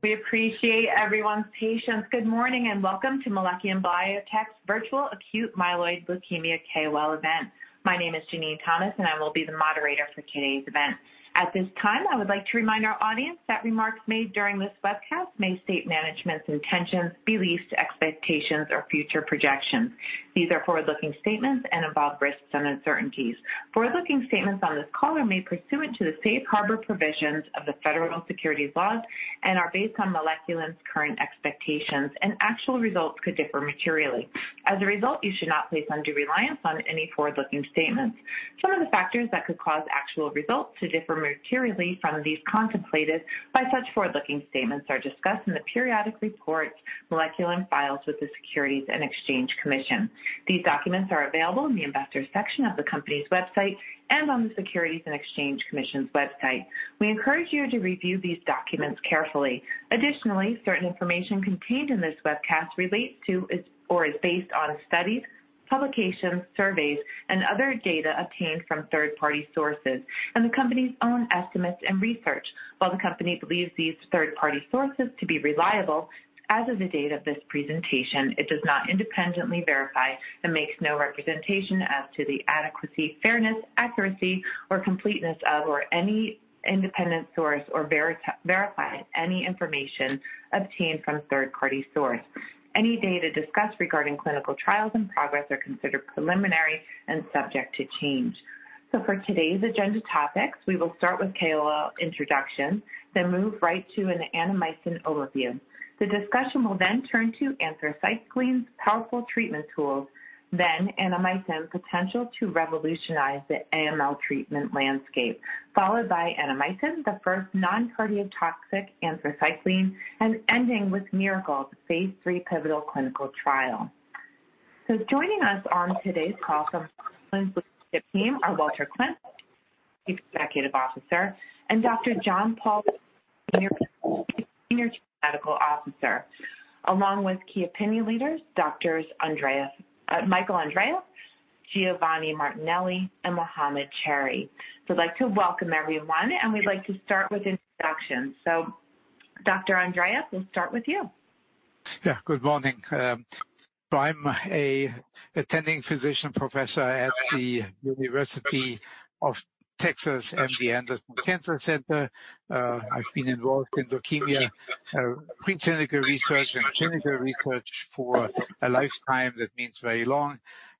We appreciate everyone's patience. Good morning, and welcome to Moleculin Biotech's virtual acute myeloid leukemia KOL event. My name is Janine Thomas, and I will be the moderator for today's event. At this time, I would like to remind our audience that remarks made during this webcast may state management's intentions, beliefs, expectations, or future projections. These are forward-looking statements and involve risks and uncertainties. Forward-looking statements on this call are made pursuant to the Safe Harbor Provisions of the Federal Securities Laws and are based on Moleculin's current expectations, and actual results could differ materially. As a result, you should not place undue reliance on any forward-looking statements. Some of the factors that could cause actual results to differ materially from these contemplated by such forward-looking statements are discussed in the periodic reports Moleculin files with the Securities and Exchange Commission. These documents are available in the Investors section of the company's website and on the Securities and Exchange Commission's website. We encourage you to review these documents carefully. Additionally, certain information contained in this webcast relates to, is or is based on studies, publications, surveys, and other data obtained from third-party sources and the company's own estimates and research. While the company believes these third-party sources to be reliable, as of the date of this presentation, it does not independently verify and makes no representation as to the adequacy, fairness, accuracy, or completeness of, or any independent source or verify any information obtained from a third-party source. Any data discussed regarding clinical trials and progress are considered preliminary and subject to change. So for today's agenda topics, we will start with KOL introduction, then move right to an Annamycin overview. The discussion will then turn to anthracyclines, powerful treatment tools, then Annamycin's potential to revolutionize the AML treatment landscape, followed by Annamycin, the first non-cardiotoxic anthracycline, and ending with Miracle, the phase III pivotal clinical trial. Joining us on today's call from the team are Walter Klemp, Chief Executive Officer, and Dr. John Paul Waymack, Senior Chief Medical Officer, along with key opinion leaders, Doctors Andreeff, Michael Andreeff, Giovanni Martinelli, and Mohamad Cherry. I'd like to welcome everyone, and we'd like to start with introductions. Dr. Andreeff, we'll start with you. Yeah, good morning. So I'm a attending physician professor at the University of Texas MD Anderson Cancer Center. I've been involved in leukemia, preclinical research and clinical research for a lifetime. That means very long,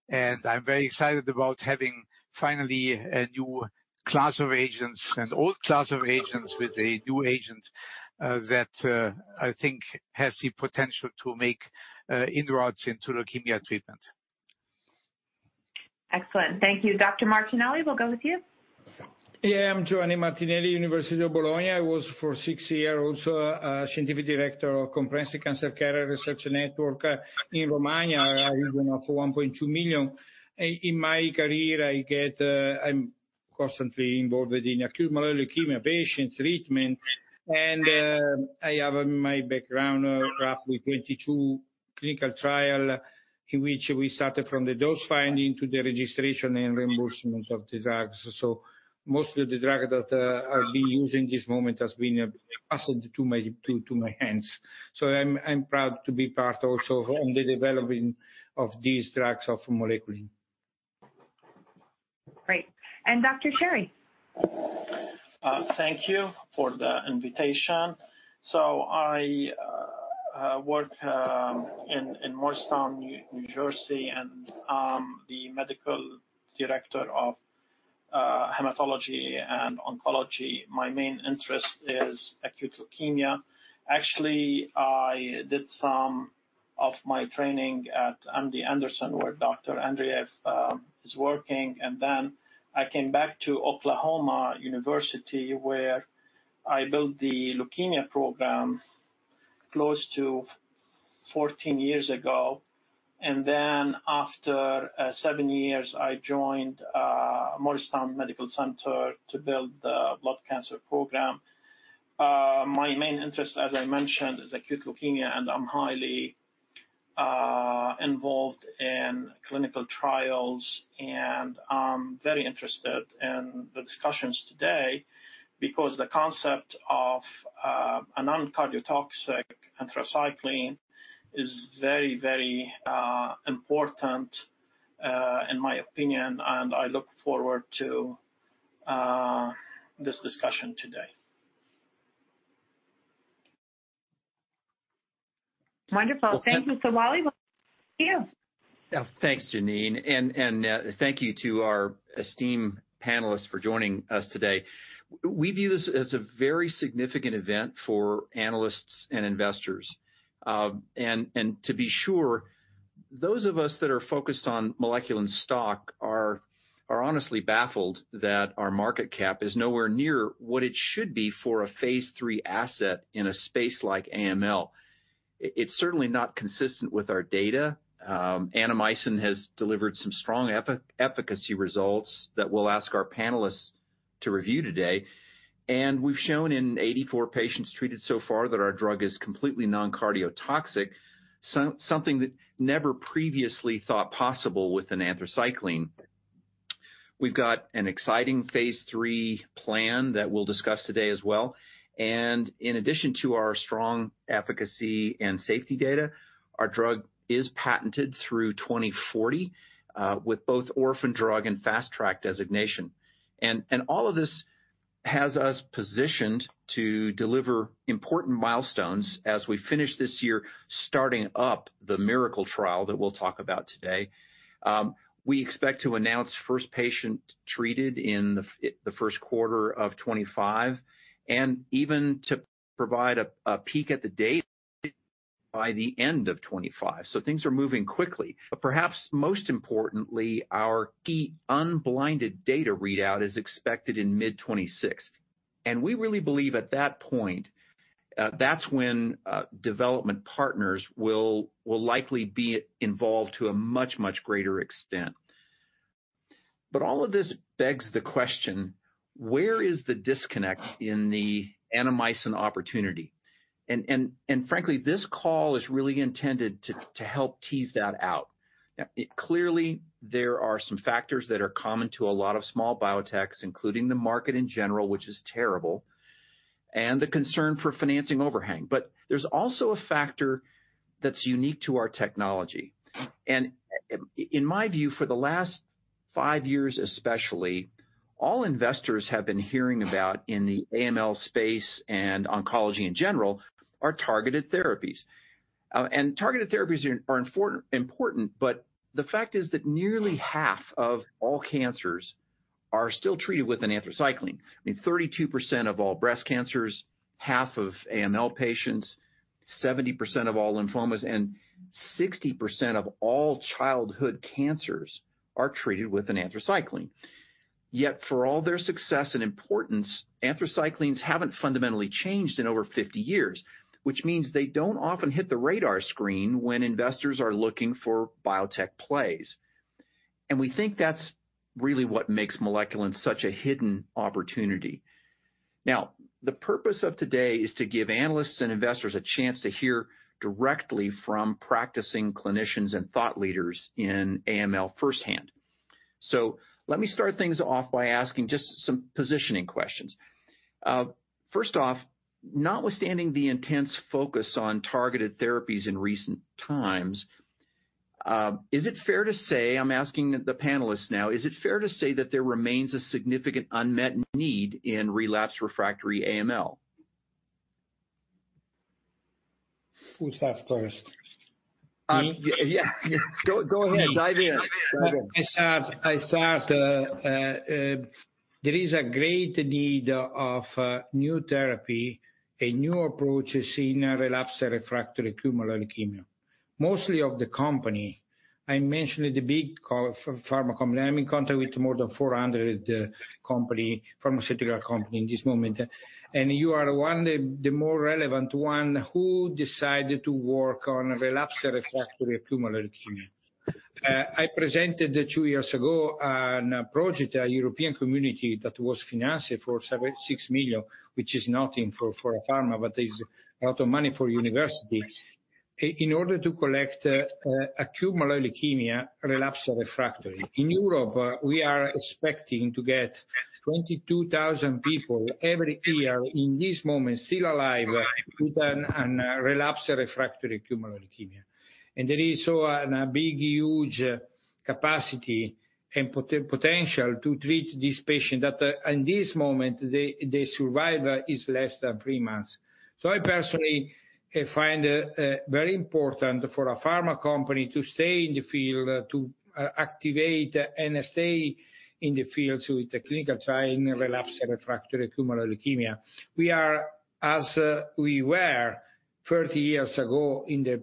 and I'm very excited about having finally a new class of agents, an old class of agents with a new agent, that I think has the potential to make inroads into leukemia treatment. Excellent. Thank you. Dr. Martinelli, we'll go with you. Yeah, I'm Giovanni Martinelli, University of Bologna. I was for six years also, Scientific Director of Comprehensive Cancer Care Research Network in Romagna, a region of 1.2 million. In my career, I'm constantly involved with in acute myeloid leukemia patients treatment, and, I have my background, roughly 22 clinical trial, in which we started from the dose finding to the registration and reimbursement of the drugs. So most of the drug that are being used in this moment has been passed to my, to, to my hands. So I'm proud to be part also on the developing of these drugs of Moleculin. Great. And Dr. Cherry? Thank you for the invitation. I work in Morristown, New Jersey, and I'm the Medical Director of Hematology and Oncology. My main interest is acute leukemia. Actually, I did some of my training at MD Anderson, where Dr. Andreeff is working, and then I came back to University of Oklahoma, where I built the leukemia program close to 14 years ago. Then after seven years, I joined Morristown Medical Center to build the blood cancer program. My main interest, as I mentioned, is acute leukemia, and I'm highly involved in clinical trials, and I'm very interested in the discussions today because the concept of a non-cardiotoxic anthracycline is very, very important in my opinion, and I look forward to this discussion today. Wonderful. Thank you. So, Wally, you. Yeah. Thanks, Janine, thank you to our esteemed panelists for joining us today. We view this as a very significant event for analysts and investors. To be sure, those of us that are focused on Moleculin stock are honestly baffled that our market cap is nowhere near what it should be for a phase III asset in a space like AML. It, it's certainly not consistent with our data. Annamycin has delivered some strong efficacy results that we'll ask our panelists to review today, and we've shown in 84 patients treated so far that our drug is completely non-cardiotoxic, something that never previously thought possible with an anthracycline.... We've got an exciting phase III plan that we'll discuss today as well. And in addition to our strong efficacy and safety data, our drug is patented through 2040 with both Orphan Drug and Fast Track Designation. And all of this has us positioned to deliver important milestones as we finish this year, starting up the MIRACLE trial that we'll talk about today. We expect to announce first patient treated in the first quarter of 2025, and even to provide a peek at the data by the end of 2025. So things are moving quickly, but perhaps most importantly, our key unblinded data readout is expected in mid-2026. And we really believe at that point, that's when development partners will likely be involved to a much greater extent. But all of this begs the question: where is the disconnect in the Annamycin opportunity? Frankly, this call is really intended to help tease that out. Now, clearly, there are some factors that are common to a lot of small biotechs, including the market in general, which is terrible, and the concern for financing overhang. But there's also a factor that's unique to our technology. And in my view, for the last five years, especially, all investors have been hearing about in the AML space and oncology in general are targeted therapies. And targeted therapies are important, but the fact is that nearly half of all cancers are still treated with an anthracycline. I mean, 32% of all breast cancers, half of AML patients, 70% of all lymphomas, and 60% of all childhood cancers are treated with an anthracycline. Yet for all their success and importance, anthracyclines haven't fundamentally changed in over fifty years, which means they don't often hit the radar screen when investors are looking for biotech plays. And we think that's really what makes Moleculin such a hidden opportunity. Now, the purpose of today is to give analysts and investors a chance to hear directly from practicing clinicians and thought leaders in AML firsthand. So let me start things off by asking just some positioning questions. First off, notwithstanding the intense focus on targeted therapies in recent times, is it fair to say... I'm asking the panelists now, is it fair to say that there remains a significant unmet need in relapsed refractory AML? Who starts first? Me? Yeah. Go ahead. Dive in. Go ahead. There is a great need of new therapy, a new approach in relapsed refractory acute myeloid leukemia. Most of the companies, I mentioned the big co-pharma companies. I'm in contact with more than 400 pharmaceutical companies in this moment, and you are one, the more relevant one, who decided to work on relapsed refractory acute myeloid leukemia. I presented two years ago a project, a European Commission that was financed for 6-7 million, which is nothing for a pharma, but is a lot of money for university. In order to collect acute myeloid leukemia, relapsed refractory. In Europe, we are expecting to get 22,000 people every year, in this moment, still alive, with a relapsed refractory acute myeloid leukemia. There is so a big, huge capacity and potential to treat these patients, that in this moment, the survival is less than three months. I personally find very important for a pharma company to stay in the field, to activate and stay in the field with a clinical trial in relapsed refractory acute myeloid leukemia. We are, as we were thirty years ago, in the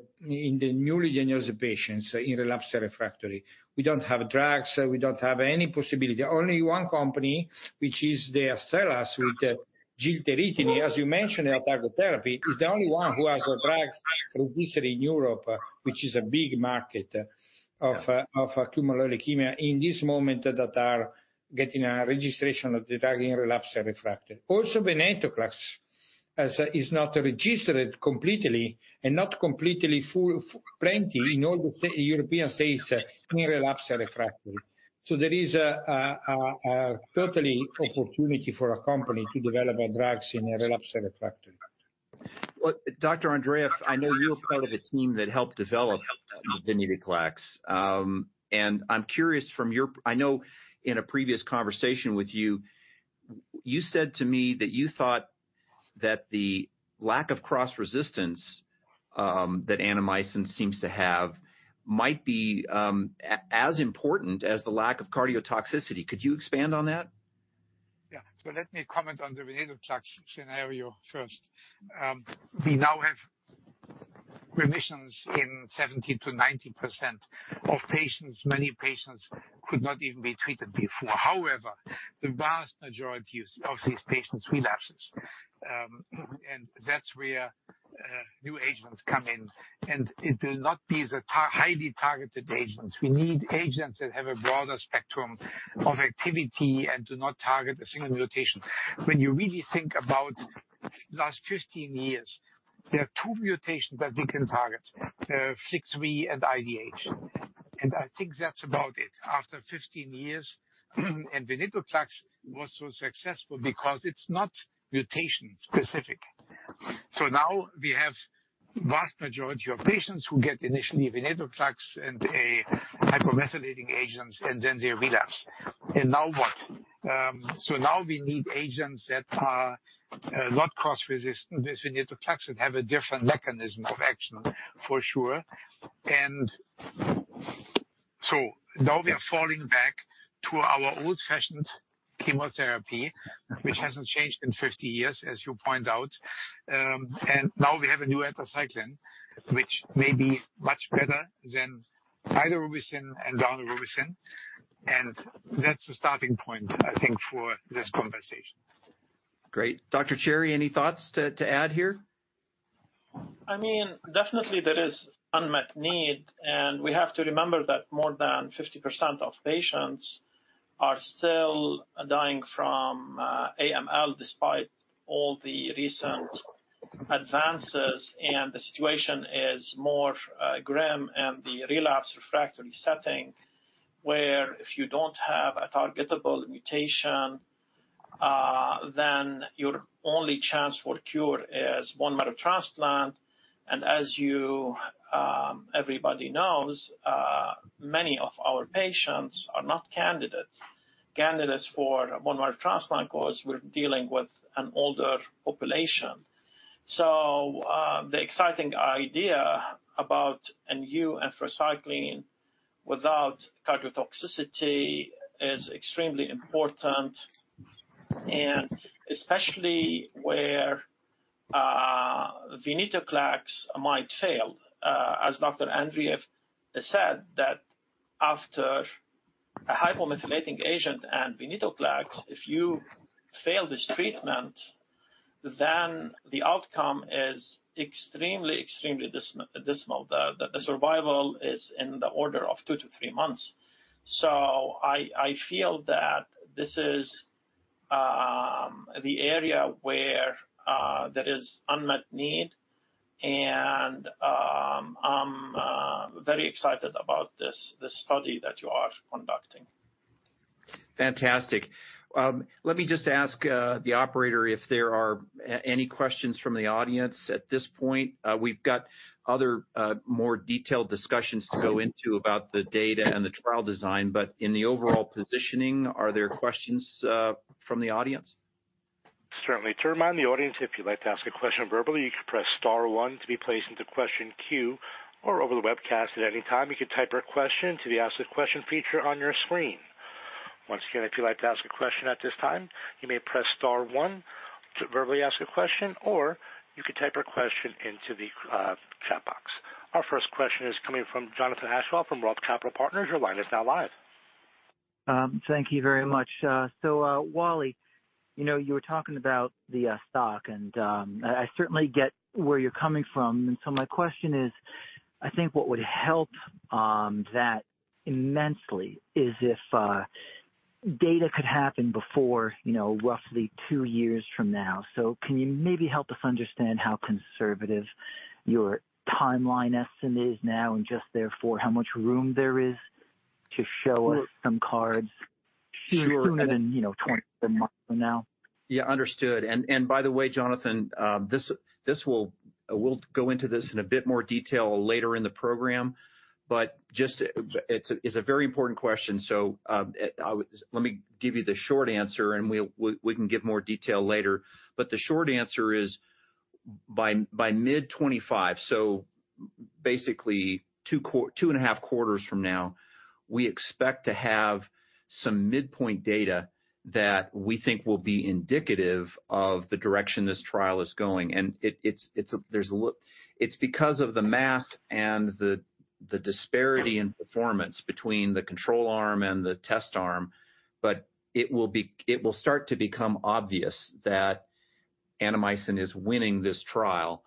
newly diagnosed patients in relapsed refractory. We don't have drugs, we don't have any possibility. Only one company, which is the Astellas, with gilteritinib, as you mentioned, a targeted therapy, is the only one who has a drug produced in Europe, which is a big market of acute myeloid leukemia in this moment, that are getting a registration of the drug in relapsed refractory. Also, venetoclax is not registered completely and not completely full plenty in all the European states in relapsed refractory. So there is a totally opportunity for a company to develop their drugs in a relapsed refractory. Dr. Andreeff, I know you're part of a team that helped develop venetoclax. I'm curious from your perspective. I know in a previous conversation with you, you said to me that you thought that the lack of cross-resistance that Annamycin seems to have might be as important as the lack of cardiotoxicity. Could you expand on that? Yeah. So let me comment on the venetoclax scenario first. We now have remissions in 70%-90% of patients. Many patients could not even be treated before. However, the vast majority of these patients relapses. And that's where new agents come in, and it will not be highly targeted agents. We need agents that have a broader spectrum of activity and do not target a single mutation. When you really think about last 15 years, there are two mutations that we can target, FLT3 and IDH. And I think that's about it. After 15 years, and venetoclax was so successful because it's not mutation specific. So now we have vast majority of patients who get initially venetoclax and a hypomethylating agents, and then they relapse. And now what? So now we need agents that are not cross-resistant as venetoclax, and have a different mechanism of action, for sure. And so now we are falling back to our old-fashioned chemotherapy, which hasn't changed in 50 years, as you point out. And now we have a new anthracycline, which may be much better than idarubicin and daunorubicin, and that's the starting point, I think, for this conversation. Great. Dr. Cherry, any thoughts to add here? I mean, definitely there is unmet need, and we have to remember that more than 50% of patients are still dying from AML, despite all the recent advances, and the situation is more grim in the relapse refractory setting, where if you don't have a targetable mutation, then your only chance for cure is bone marrow transplant. And as you everybody knows, many of our patients are not candidates for bone marrow transplant, because we're dealing with an older population. So, the exciting idea about a new anthracycline without cardiotoxicity is extremely important, and especially where venetoclax might fail. As Dr. Andreeff has said, that after a hypomethylating agent and venetoclax, if you fail this treatment, then the outcome is extremely dismal. The survival is in the order of two to three months. I feel that this is the area where there is unmet need, and I'm very excited about this study that you are conducting. Fantastic. Let me just ask the operator if there are any questions from the audience at this point. We've got other more detailed discussions to go into about the data and the trial design, but in the overall positioning, are there questions from the audience? Certainly. To remind the audience, if you'd like to ask a question verbally, you can press star one to be placed into question queue, or over the webcast at any time you can type your question to the Ask a Question feature on your screen. Once again, if you'd like to ask a question at this time, you may press star one to verbally ask a question, or you can type your question into the chat box. Our first question is coming from Jonathan Aschoff from Roth Capital Partners. Your line is now live. Thank you very much. So, Wally, you know, you were talking about the stock, and I certainly get where you're coming from. And so my question is, I think what would help that immensely is if data could happen before, you know, roughly two years from now. So can you maybe help us understand how conservative your timeline estimate is now, and just therefore, how much room there is to show us some cards- Sure. sooner than, you know, twenty-four months from now? Yeah, understood. And by the way, Jonathan, this will... We'll go into this in a bit more detail later in the program, but just, it's a very important question, so, let me give you the short answer, and we can give more detail later. But the short answer is, by mid-'twenty-five, so basically two and a half quarters from now, we expect to have some midpoint data that we think will be indicative of the direction this trial is going. And it's because of the math and the disparity in performance between the control arm and the test arm, but it will start to become obvious that Annamycin is winning this trial.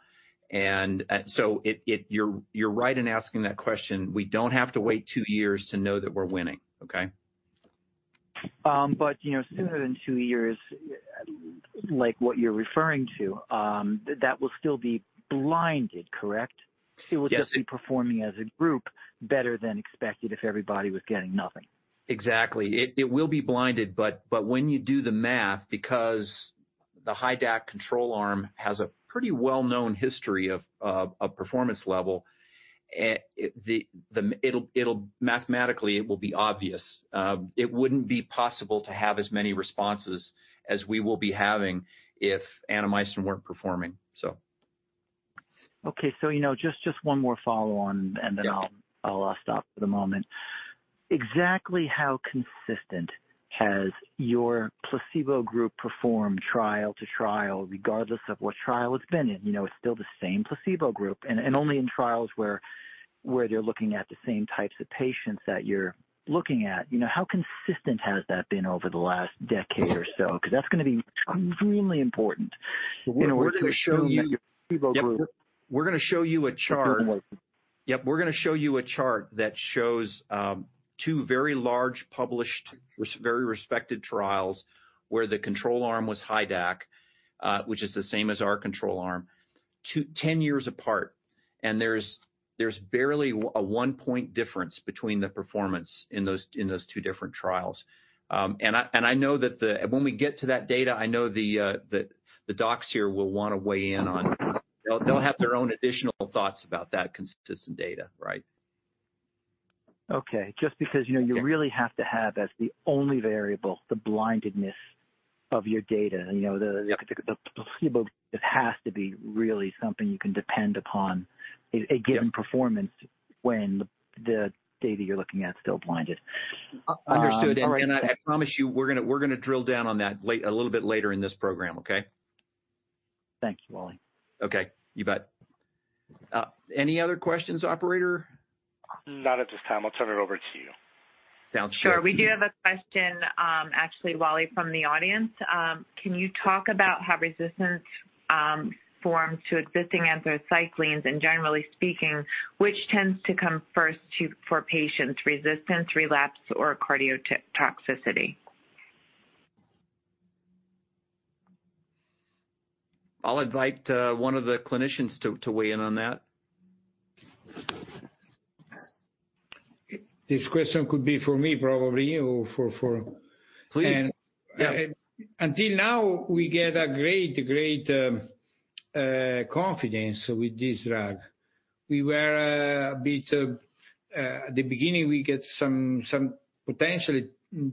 And so you're right in asking that question. We don't have to wait two years to know that we're winning, okay? But you know, sooner than two years, like, what you're referring to, that will still be blinded, correct? Yes. It will just be performing as a group better than expected if everybody was getting nothing. Exactly. It will be blinded, but when you do the math, because the HiDAC control arm has a pretty well-known history of a performance level, it will mathematically be obvious. It wouldn't be possible to have as many responses as we will be having if Annamycin weren't performing, so. Okay, so, you know, just one more follow-on- Yeah. And then I'll stop for the moment. Exactly how consistent has your placebo group performed trial to trial, regardless of what trial it's been in? You know, it's still the same placebo group, and only in trials where they're looking at the same types of patients that you're looking at. You know, how consistent has that been over the last decade or so? Because that's gonna be extremely important. We're gonna show you- Your placebo group. Yep, we're gonna show you a chart. Yep, we're gonna show you a chart that shows two very large published, very respected trials where the control arm was HiDAC, which is the same as our control arm, ten years apart. And there's barely a one point difference between the performance in those two different trials. And I know that when we get to that data, I know the docs here will wanna weigh in on. They'll have their own additional thoughts about that consistent data, right? Okay. Just because, you know, you really have to have as the only variable, the blindness of your data. You know, Yep The placebo, it has to be really something you can depend upon, a given- Yep Performance when the data you're looking at is still blinded. Understood. All right. I promise you, we're gonna drill down on that a little bit later in this program, okay? Thank you, Wally. Okay, you bet. Any other questions, operator? Not at this time. I'll turn it over to you. Sounds good. Sure. We do have a question, actually, Wally, from the audience. Can you talk about how resistance forms to existing anthracyclines, and generally speaking, which tends to come first to, for patients: resistance, relapse, or cardiotoxicity? I'll invite one of the clinicians to weigh in on that. This question could be for me, probably. Please, yeah. Until now, we get a great, great confidence with this drug. We were a bit at the beginning; we get some potentially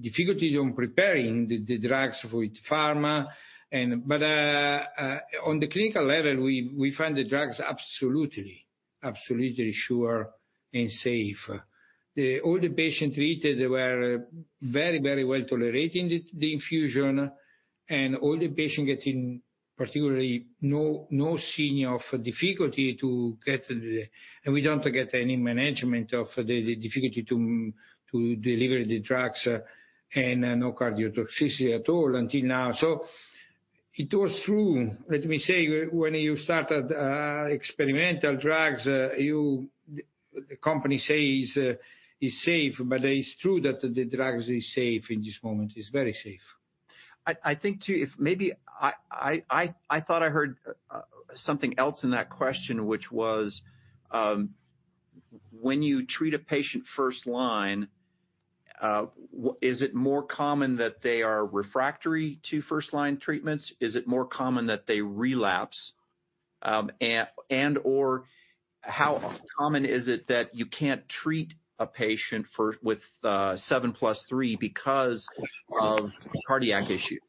difficulties on preparing the drugs with pharma and. But on the clinical level, we find the drugs absolutely, absolutely sure and safe. All the patients treated were very, very well tolerating the infusion, and all the patients getting particularly no sign of difficulty to get the - and we don't get any management of the difficulty to deliver the drugs, and no cardiotoxicity at all until now. So it was true. Let me say, when you started experimental drugs, you, the company say is safe, but it's true that the drugs is safe in this moment. It's very safe. I think too, if maybe I thought I heard something else in that question, which was, when you treat a patient first line, is it more common that they are refractory to first-line treatments? Is it more common that they relapse? And/or how common is it that you can't treat a patient first with seven plus three because of cardiac issues?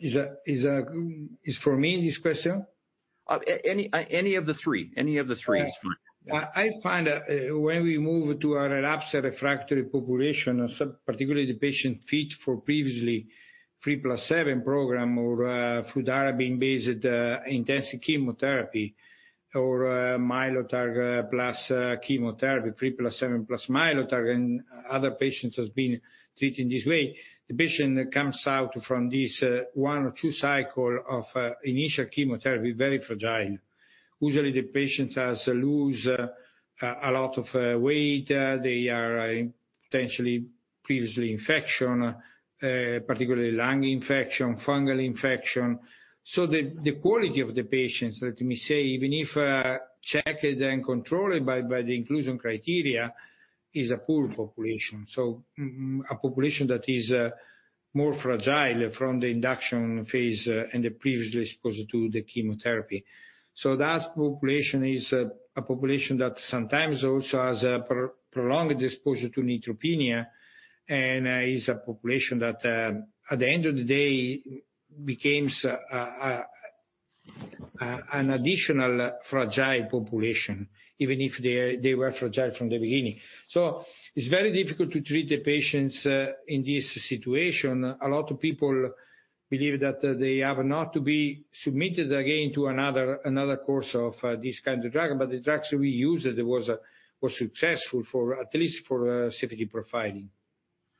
Is that for me, this question? Any of the three. Any of the three is for you. I find that when we move to a relapsed refractory population, so particularly the patient fit for previously three plus seven program or fludarabine-based intensive chemotherapy, or Mylotarg plus chemotherapy, three plus seven plus Mylotarg, and other patients has been treated this way. The patient comes out from this one or two cycle of initial chemotherapy, very fragile. Usually, the patients has lose a lot of weight. They are potentially previously infection, particularly lung infection, fungal infection. The quality of the patients, let me say, even if checked and controlled by the inclusion criteria, is a poor population. A population that is more fragile from the induction phase and the previously exposed to the chemotherapy. So that population is a population that sometimes also has a prolonged exposure to neutropenia, and is a population that at the end of the day becomes an additional fragile population, even if they were fragile from the beginning. So it's very difficult to treat the patients in this situation. A lot of people believe that they have not to be submitted again to another course of this kind of drug, but the drugs we used was successful for at least safety profiling.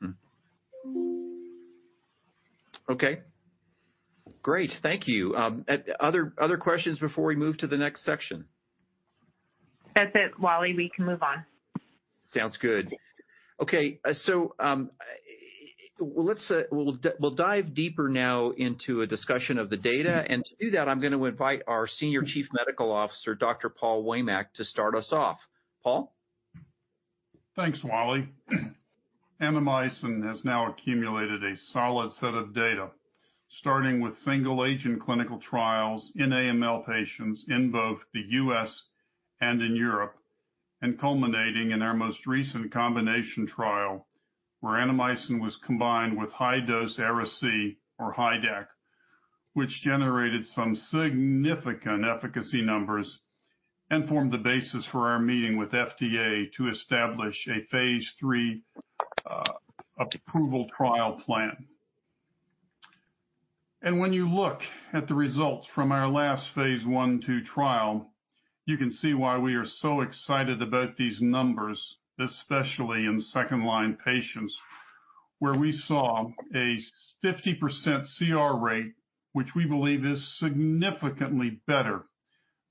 Hmm. Okay. Great, thank you. Other questions before we move to the next section? That's it, Wally, we can move on. Sounds good. Okay, so, let's we'll dive deeper now into a discussion of the data, and to do that, I'm gonna invite our Senior Chief Medical Officer, Dr. John Paul Waymack, to start us off. Paul? Thanks, Wally. Annamycin has now accumulated a solid set of data, starting with single-agent clinical trials in AML patients in both the U.S. and in Europe, and culminating in our most recent combination trial, where Annamycin was combined with high-dose Ara-C or HiDAC, which generated some significant efficacy numbers and formed the basis for our meeting with FDA to establish a phase III approval trial plan. And when you look at the results from our last phase I, II trial, you can see why we are so excited about these numbers, especially in second-line patients.... where we saw a 50% CR rate, which we believe is significantly better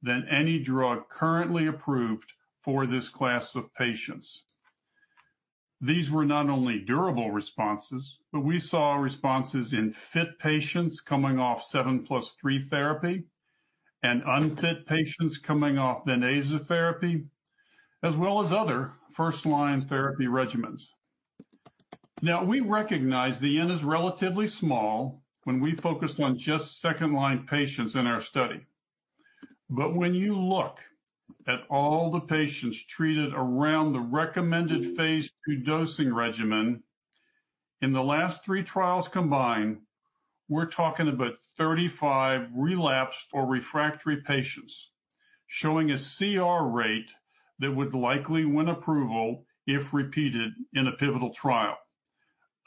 than any drug currently approved for this class of patients. These were not only durable responses, but we saw responses in fit patients coming off seven plus three therapy, and unfit patients coming off Venetoclax therapy, as well as other first-line therapy regimens. Now, we recognize the N is relatively small when we focused on just second-line patients in our study. But when you look at all the patients treated around the recommended phase IIF dosing regimen, in the last three trials combined, we're talking about 35 relapsed or refractory patients, showing a CR rate that would likely win approval if repeated in a pivotal trial,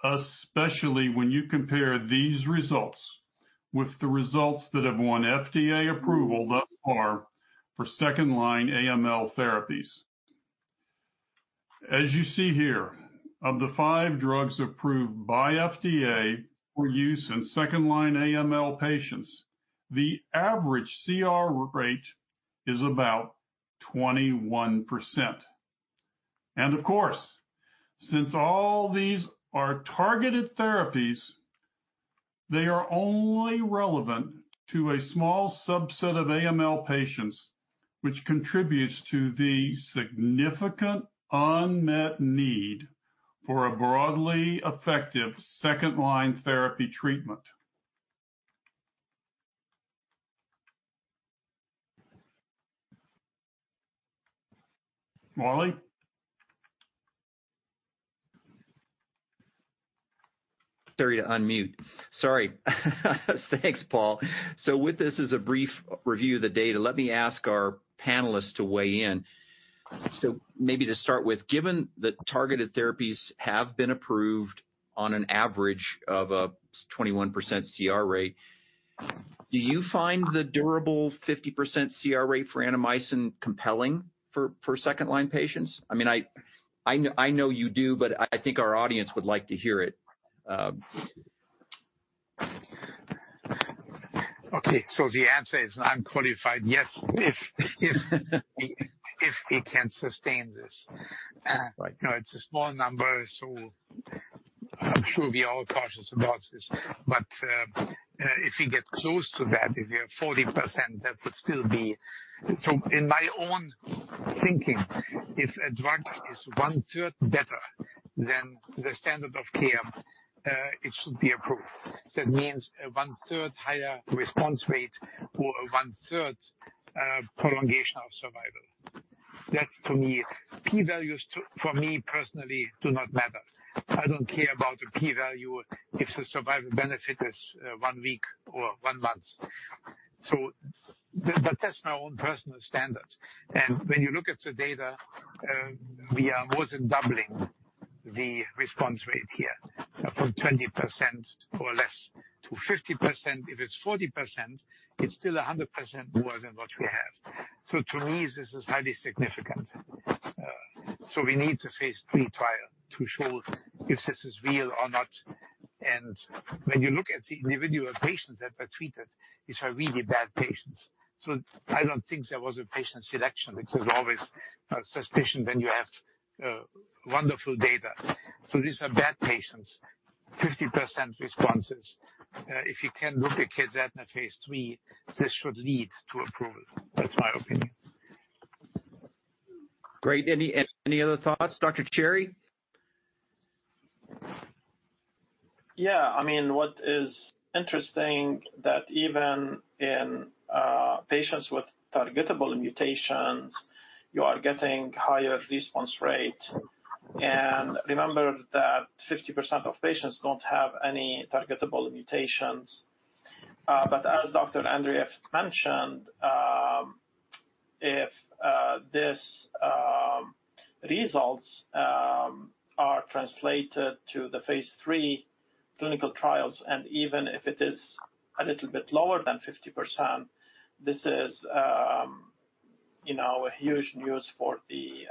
especially when you compare these results with the results that have won FDA approval thus far for second-line AML therapies. As you see here, of the five drugs approved by FDA for use in second-line AML patients, the average CR rate is about 21%. And of course, since all these are targeted therapies, they are only relevant to a small subset of AML patients, which contributes to the significant unmet need for a broadly effective second-line therapy treatment. Molly? Sorry to unmute. Sorry. Thanks, Paul. With this as a brief review of the data, let me ask our panelists to weigh in. Maybe to start with, given that targeted therapies have been approved on an average of a 21% CR rate, do you find the durable 50% CR rate for Annamycin compelling for second-line patients? I mean, I know you do, but I think our audience would like to hear it. Okay, so the answer is unqualified yes, if we can sustain this. Right. You know, it's a small number, so I'm sure we are all cautious about this. But, if we get close to that, if we have 40%, that would still be. So in my own thinking, if a drug is one-third better than the standard of care, it should be approved. That means a one-third higher response rate or a one-third prolongation of survival. That's for me. P-values, for me, personally, do not matter. I don't care about the p-value if the survival benefit is one week or one month. So but that's my own personal standards. And when you look at the data, we are more than doubling the response rate here from 20% or less to 50%. If it's 40%, it's still a 100% more than what we have. So to me, this is highly significant. So we need a phase III trial to show if this is real or not. And when you look at the individual patients that were treated, these are really bad patients. So I don't think there was a patient selection, which is always a suspicion when you have wonderful data. So these are bad patients, 50% responses. If you can replicate that in a phase III, this should lead to approval. That's my opinion. Great. Any other thoughts, Dr. Cherry? Yeah. I mean, what is interesting that even in patients with targetable mutations, you are getting higher response rate. And remember that 50% of patients don't have any targetable mutations. But as Dr. Andreeff mentioned, if this results are translated to the phase III clinical trials, and even if it is a little bit lower than 50%, this is, you know, a huge news for the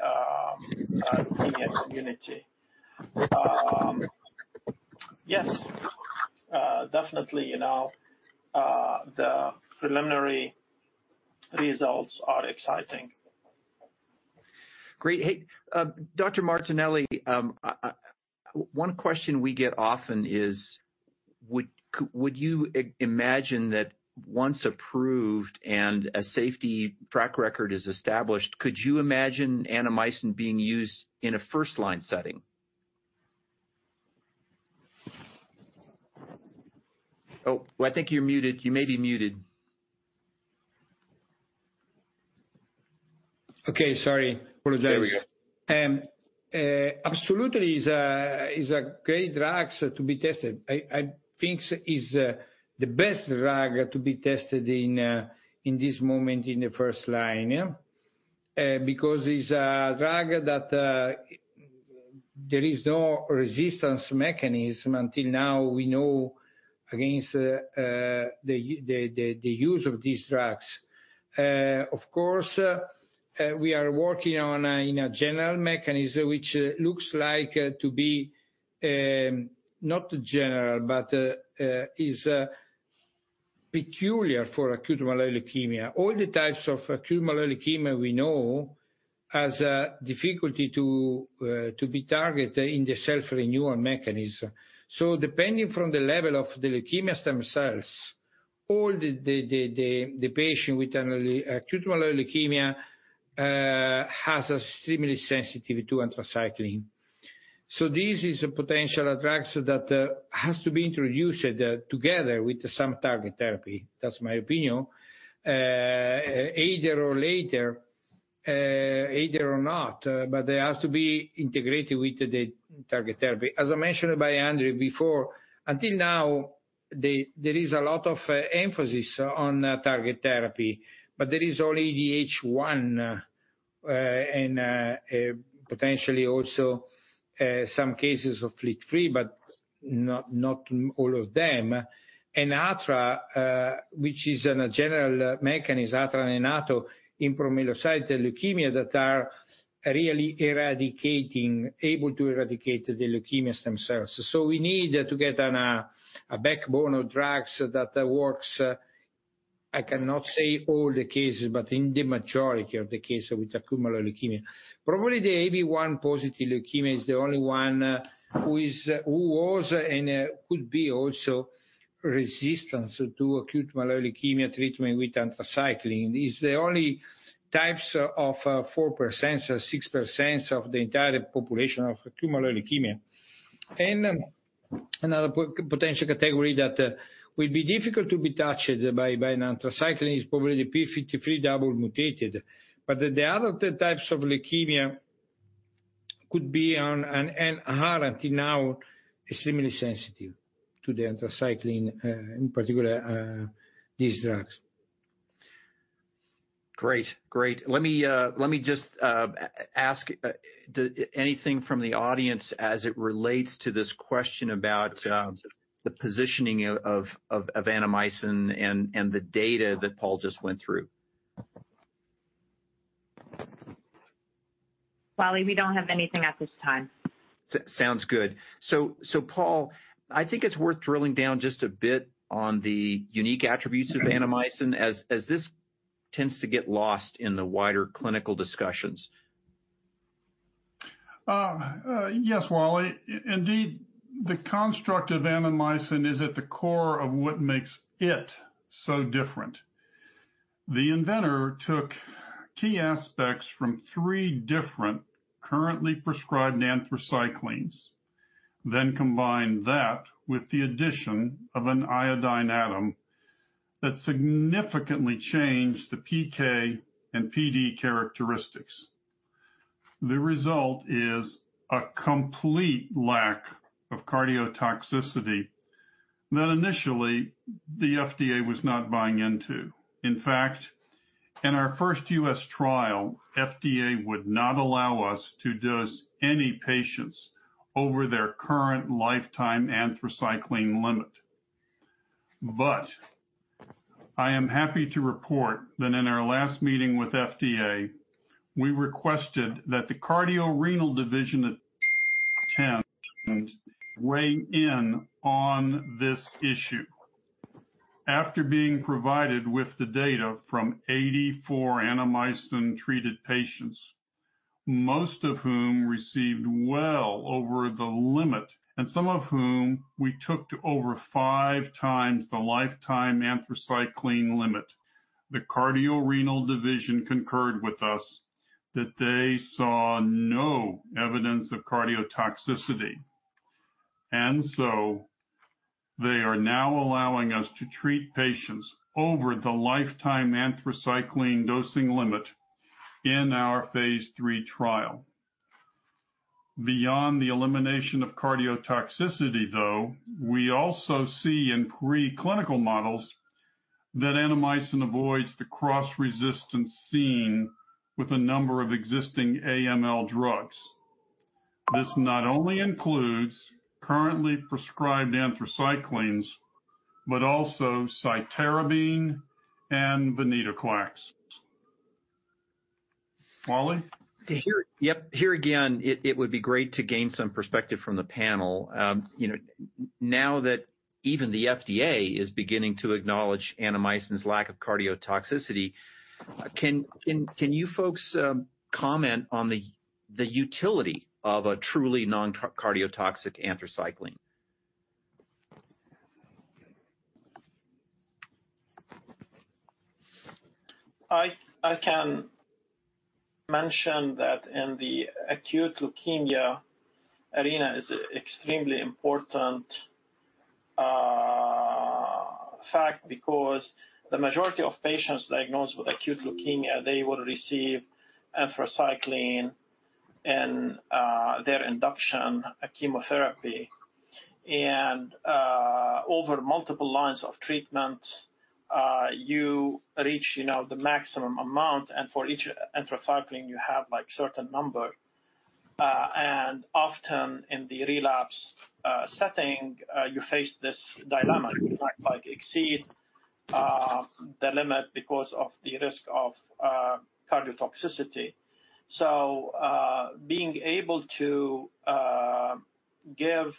community. Yes, definitely, you know, the preliminary results are exciting. Great. Hey, Dr. Martinelli, one question we get often is, would you imagine that once approved and a safety track record is established, could you imagine Annamycin being used in a first-line setting? Oh, well, I think you're muted. You may be muted. Okay, sorry. Apologize. There we go. Absolutely is a great drugs to be tested. I think is the best drug to be tested in this moment, in the first line, because it's a drug that there is no resistance mechanism. Until now, we know.... against the use of these drugs. Of course, we are working on a general mechanism, which looks like to be not general, but is peculiar for acute myeloid leukemia. All the types of acute myeloid leukemia we know has a difficulty to be targeted in the self-renewal mechanism. So depending from the level of the leukemia stem cells, all the patient with an acute myeloid leukemia has a similar sensitivity to anthracycline. So this is a potential drugs that has to be introduced together with some target therapy. That's my opinion. Either or later, either or not, but it has to be integrated with the target therapy. As I mentioned by Dr. Andreeff before, until now, there is a lot of emphasis on targeted therapy, but there is only the IDH1, and potentially also some cases of FLT3, but not all of them. ATRA, which is a general mechanism, ATRA and ATO, in promyelocytic leukemia, that are really able to eradicate the leukemia stem cells. So we need to get a backbone of drugs that works. I cannot say all the cases, but in the majority of the cases with acute myeloid leukemia. Probably the ABL1 positive leukemia is the only one who was and could be also resistant to acute myeloid leukemia treatment with anthracycline. It's the only type of 4% or 6% of the entire population of acute myeloid leukemia. Another potential category that will be difficult to be touched by an anthracycline is probably the P53 double mutated. But the other types of leukemia could be on an, and are until now, extremely sensitive to the anthracycline, in particular these drugs. Great. Great. Let me just ask anything from the audience as it relates to this question about the positioning of Annamycin and the data that Paul just went through? Wally, we don't have anything at this time. Sounds good. So, Paul, I think it's worth drilling down just a bit on the unique attributes of Annamycin, as this tends to get lost in the wider clinical discussions. Yes, Wally. Indeed, the construct of Annamycin is at the core of what makes it so different. The inventor took key aspects from three different currently prescribed anthracyclines, then combined that with the addition of an iodine atom that significantly changed the PK and PD characteristics. The result is a complete lack of cardiotoxicity that initially the FDA was not buying into. In fact, in our first U.S. trial, FDA would not allow us to dose any patients over their current lifetime anthracycline limit. But I am happy to report that in our last meeting with FDA, we requested that the Cardio-Renal Division weigh in on this issue. After being provided with the data from 84 Annamycin-treated patients, most of whom received well over the limit, and some of whom we took to over five times the lifetime anthracycline limit, the Cardio-Renal Division concurred with us that they saw no evidence of cardiotoxicity. And so they are now allowing us to treat patients over the lifetime anthracycline dosing limit in our phase III trial. Beyond the elimination of cardiotoxicity, though, we also see in preclinical models that Annamycin avoids the cross-resistance seen with a number of existing AML drugs. This not only includes currently prescribed anthracyclines, but also cytarabine and venetoclax. Wally? Yep. Here again, it would be great to gain some perspective from the panel. You know, now that even the FDA is beginning to acknowledge Annamycin's lack of cardiotoxicity, can you folks comment on the utility of a truly non-cardiotoxic anthracycline? I can mention that in the acute leukemia arena is extremely important fact, because the majority of patients diagnosed with acute leukemia, they would receive anthracycline and their induction chemotherapy. And over multiple lines of treatment, you reach, you know, the maximum amount, and for each anthracycline, you have, like, certain number.... and often in the relapse setting, you face this dilemma, you might, like, exceed the limit because of the risk of cardiotoxicity. So, being able to give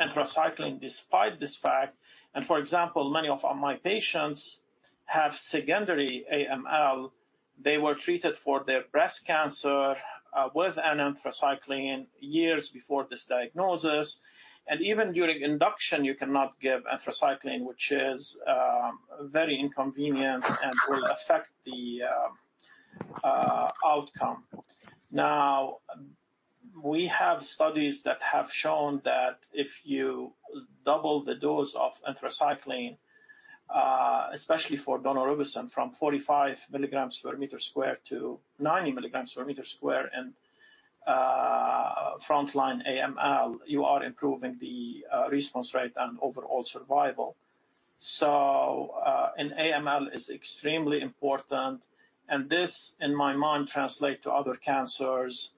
anthracycline despite this fact, and for example, many of my patients have secondary AML. They were treated for their breast cancer with an anthracycline years before this diagnosis, and even during induction, you cannot give anthracycline, which is very inconvenient and will affect the outcome. Now, we have studies that have shown that if you double the dose of anthracycline, especially for daunorubicin, from 45 milligrams per meter square to 90 milligrams per meter square in frontline AML, you are improving the response rate and overall survival. In AML is extremely important, and this, in my mind, translate to other cancers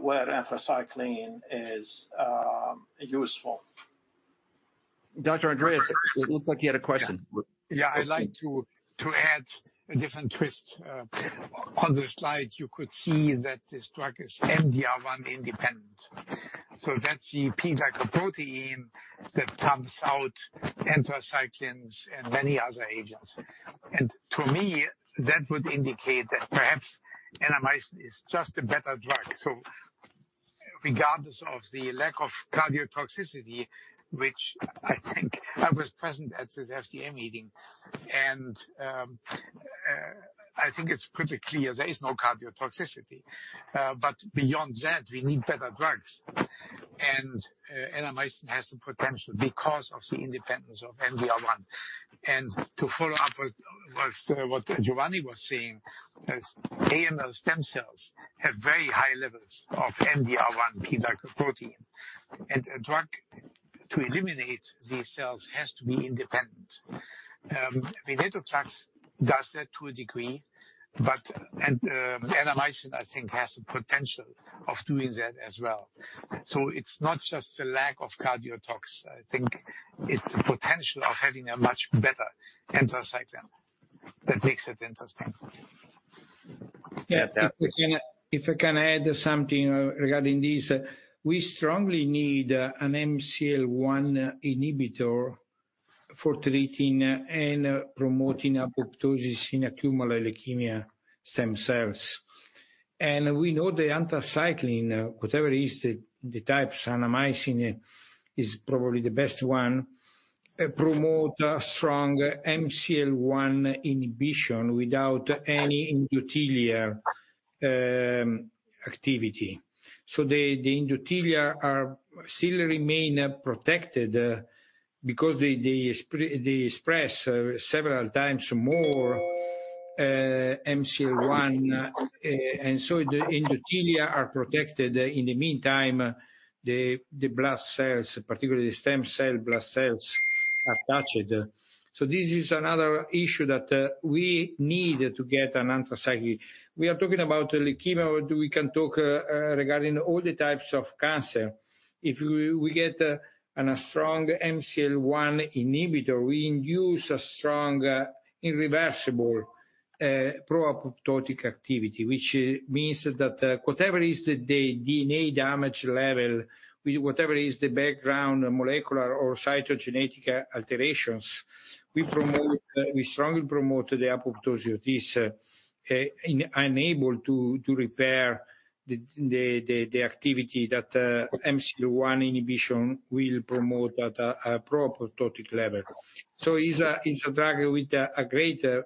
where anthracycline is useful. Dr. Andreas, it looks like you had a question. Yeah. Yeah, I'd like to add a different twist. On the slide, you could see that this drug is MDR1 independent, so that's the P-glycoprotein that pumps out anthracyclines and many other agents. To me, that would indicate that perhaps Annamycin is just a better drug, so regardless of the lack of cardiotoxicity, which I think I was present at this FDA meeting, and I think it's pretty clear there is no cardiotoxicity. Beyond that, we need better drugs. Annamycin has the potential because of the independence of MDR1. To follow up with what Giovanni was saying, AML stem cells have very high levels of MDR1 P-glycoprotein, and a drug to eliminate these cells has to be independent. Venetoclax does that to a degree, but Annamycin, I think, has the potential of doing that as well. So it's not just the lack of cardiotoxicity, I think it's the potential of having a much better anthracycline that makes it interesting. Yeah, definitely. If I can add something regarding this. We strongly need an MCL-1 inhibitor for treating and promoting apoptosis in acute myeloid leukemia stem cells. And we know the anthracycline, whatever is the types, Annamycin is probably the best one, promote a strong MCL-1 inhibition without any endothelial activity. So the endothelia are still remain protected, because they express several times more MCL-1, and so the endothelia are protected. In the meantime, the blood cells, particularly the stem cell blood cells, are targeted. So this is another issue that we need to get an anthracycline. We are talking about leukemia, we can talk regarding all the types of cancer. If we get a strong MCL-1 inhibitor, we induce a strong irreversible pro-apoptotic activity, which means that whatever is the DNA damage level, whatever is the background molecular or cytogenetic alterations, we strongly promote the apoptosis. This is unable to repair the activity that MCL-1 inhibition will promote at a pro-apoptotic level. So it's a drug with a greater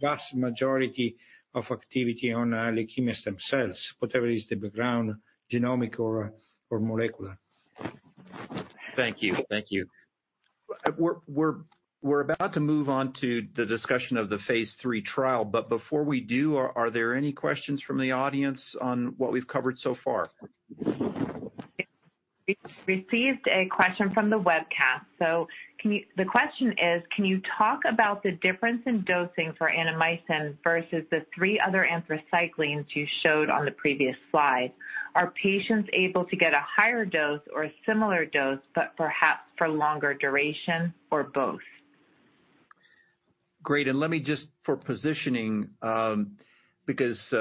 vast majority of activity on leukemia stem cells, whatever is the background genomic or molecular. Thank you. Thank you. We're about to move on to the discussion of the phase III trial, but before we do, are there any questions from the audience on what we've covered so far? We received a question from the webcast. The question is: Can you talk about the difference in dosing for Annamycin versus the three other anthracyclines you showed on the previous slide? Are patients able to get a higher dose or a similar dose, but perhaps for longer duration, or both? Great. And let me just, for positioning, because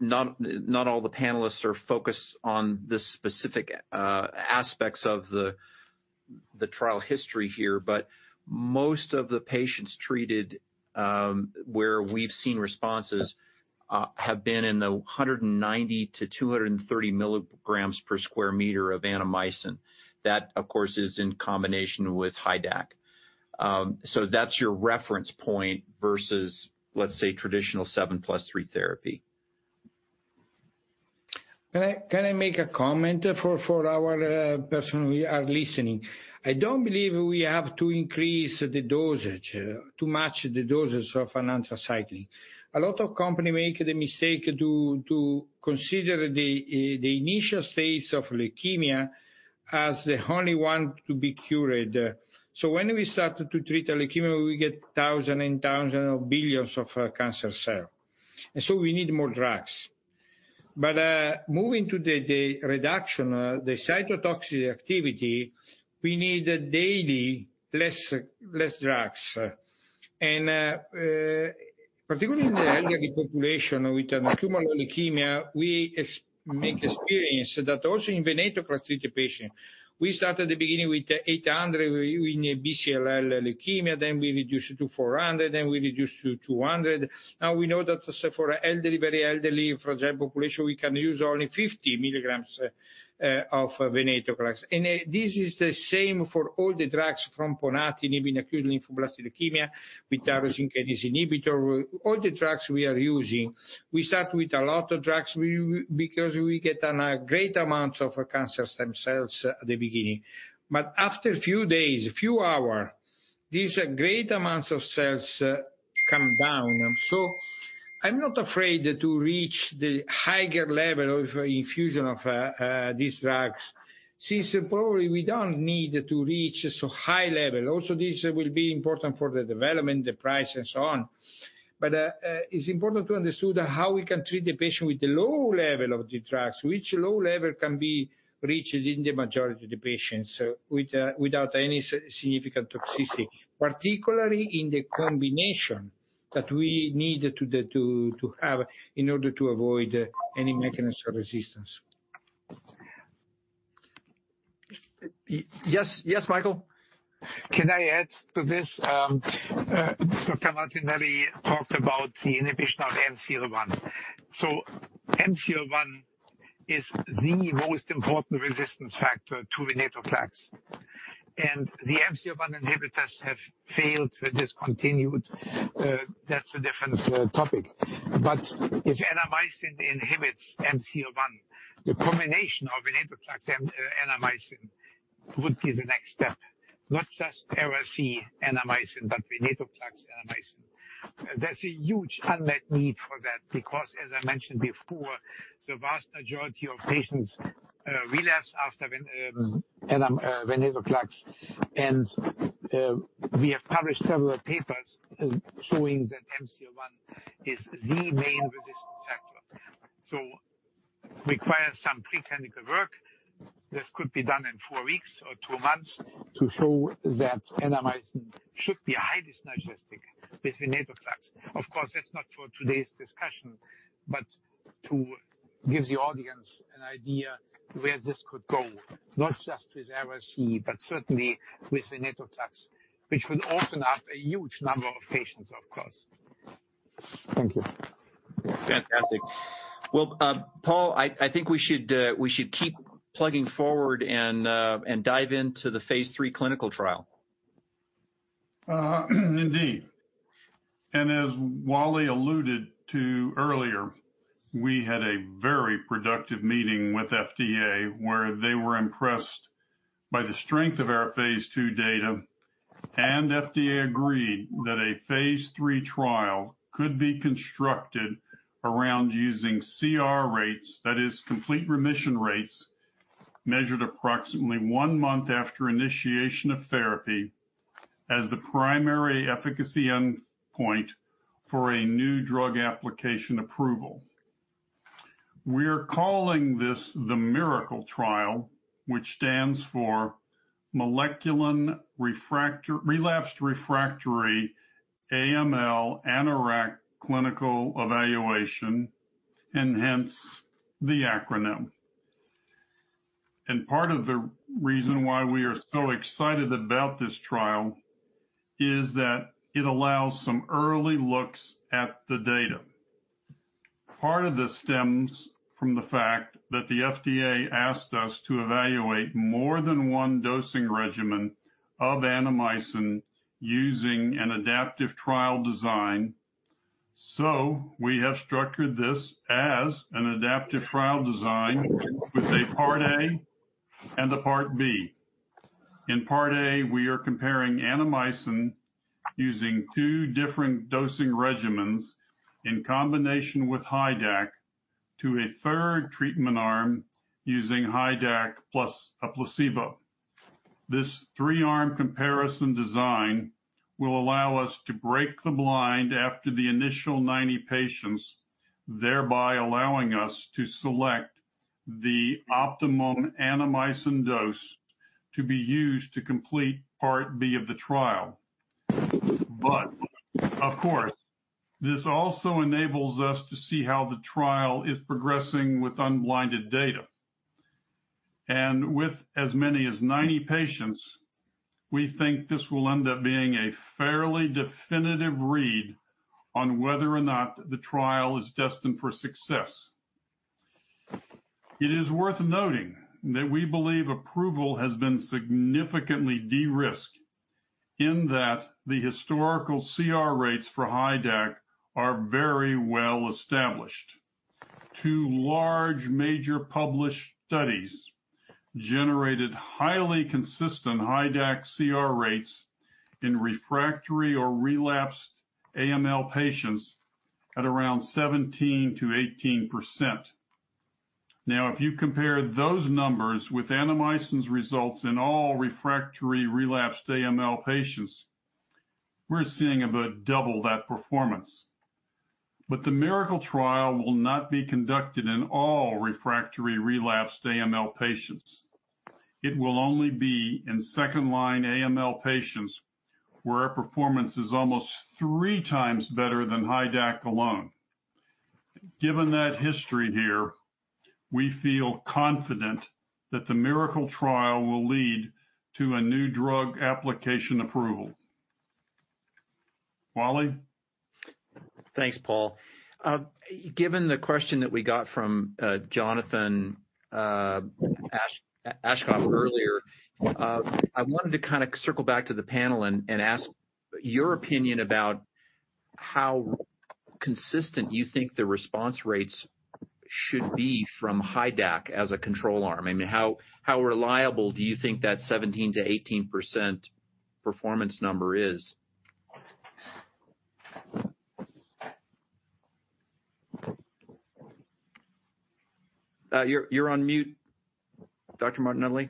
not all the panelists are focused on the specific aspects of the trial history here. But most of the patients treated, where we've seen responses, have been in the 190-230 milligrams per square meter of Annamycin. That, of course, is in combination with HiDAC. So that's your reference point versus, let's say, traditional seven plus three therapy. Can I make a comment for our person who are listening? I don't believe we have to increase the dosage to match the doses of an anthracycline. A lot of company make the mistake to consider the initial stage of leukemia as the only one to be cured. So when we start to treat leukemia, we get thousands and thousands of billions of cancer cells, and so we need more drugs. But moving to the reduction, the cytotoxicity activity, we need daily less drugs. And particularly in the elderly population with an acute leukemia, we make experience that also in Venetoclax patient, we start at the beginning with 800 in a B-cell leukemia, then we reduce it to 400, then we reduce to 200. Now, we know that for elderly, very elderly, fragile population, we can use only 50 milligrams of venetoclax. And this is the same for all the drugs from ponatinib in acute lymphoblastic leukemia with tyrosine kinase inhibitor. All the drugs we are using, we start with a lot of drugs because we get a great amount of cancer stem cells at the beginning. But after a few days, a few hours, these great amounts of cells come down. So I'm not afraid to reach the higher level of infusion of these drugs, since probably we don't need to reach so high level. Also, this will be important for the development, the price, and so on. But, it's important to understand how we can treat the patient with the low level of the drugs, which low level can be reached in the majority of the patients with without any significant toxicity, particularly in the combination that we need to have in order to avoid any mechanism of resistance. Yes, yes, Michael? Can I add to this? Dr. Martinelli talked about the inhibition of MCL-1. So MCL-1 is the most important resistance factor to Venetoclax, and the MCL-1 inhibitors have failed and discontinued, that's a different topic. But if Annamycin inhibits MCL-1, the combination of Venetoclax and Annamycin would be the next step, not just Ara-C Annamycin, but Venetoclax Annamycin. There's a huge unmet need for that, because, as I mentioned before, the vast majority of patients relapse after Venetoclax. And we have published several papers showing that MCL-1 is the main resistance factor. So require some pre-clinical work. This could be done in four weeks or two months to show that Annamycin should be highly synergistic with Venetoclax. Of course, that's not for today's discussion, but to give the audience an idea where this could go, not just with ARC, but certainly with venetoclax, which would open up a huge number of patients, of course. Thank you. Fantastic. Well, Paul, I think we should keep plugging forward and dive into the phase III clinical trial. Indeed. As Wally alluded to earlier, we had a very productive meeting with FDA, where they were impressed by the strength of our phase II data, and FDA agreed that a phase III trial could be constructed around using CR rates, that is complete remission rates, measured approximately one month after initiation of therapy, as the primary efficacy endpoint for a new drug application approval. We are calling this the Miracle Trial, which stands for Moleculin Relapsed Refractory AML, Annamycin, Clinical Evaluation, and hence, the acronym. And part of the reason why we are so excited about this trial is that it allows some early looks at the data. Part of this stems from the fact that the FDA asked us to evaluate more than one dosing regimen of Annamycin using an adaptive trial design. We have structured this as an adaptive trial design with a part A and a part B. In part A, we are comparing Annamycin using two different dosing regimens in combination with HiDAC to a third treatment arm using HiDAC plus a placebo. This three-arm comparison design will allow us to break the blind after the initial 90 patients, thereby allowing us to select the optimum Annamycin dose to be used to complete part B of the trial. Of course, this also enables us to see how the trial is progressing with unblinded data. With as many as 90 patients, we think this will end up being a fairly definitive read on whether or not the trial is destined for success. It is worth noting that we believe approval has been significantly de-risked, in that the historical CR rates for HiDAC are very well established. Two large, major published studies generated highly consistent HiDAC CR rates in refractory or relapsed AML patients at around 17%-18%. Now, if you compare those numbers with Annamycin's results in all refractory relapsed AML patients, we're seeing about double that performance. But the Miracle trial will not be conducted in all refractory relapsed AML patients. It will only be in second-line AML patients, where our performance is almost three times better than HiDAC alone. Given that history here, we feel confident that the Miracle trial will lead to a new drug application approval. Wally? Thanks, Paul. Given the question that we got from Jonathan Aschoff earlier, I wanted to kind of circle back to the panel and ask your opinion about how consistent you think the response rates should be from HiDAC as a control arm. I mean, how reliable do you think that 17%-18% performance number is? You're on mute, Dr. Martinelli.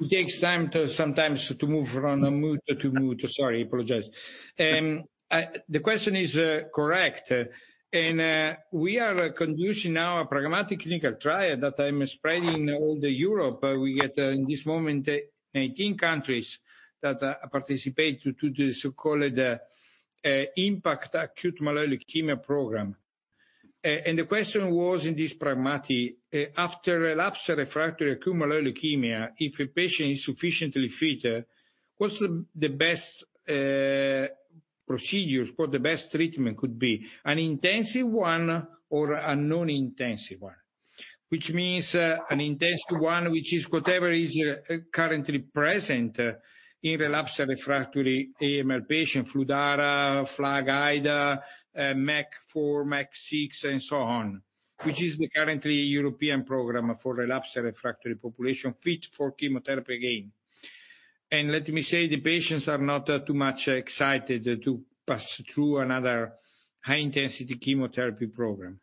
It takes time sometimes to move around on mute, to mute. Sorry, I apologize. The question is correct, and we are conducting now a pragmatic clinical trial that I'm spreading all the Europe. We get in this moment 18 countries that participate to the so-called impact acute myeloid leukemia program. And the question was in this pragmatic after relapsed/refractory acute myeloid leukemia, if a patient is sufficiently fit, what's the best procedures, what the best treatment could be? An intensive one or a non-intensive one. Which means an intense one, which is whatever is currently present in relapsed/refractory AML patient, Fludara, FLAG-Ida, MEC, HiDAC, and so on, which is the current European program for relapsed/refractory population fit for chemotherapy again. Let me say, the patients are not too much excited to pass through another high-intensity chemotherapy program.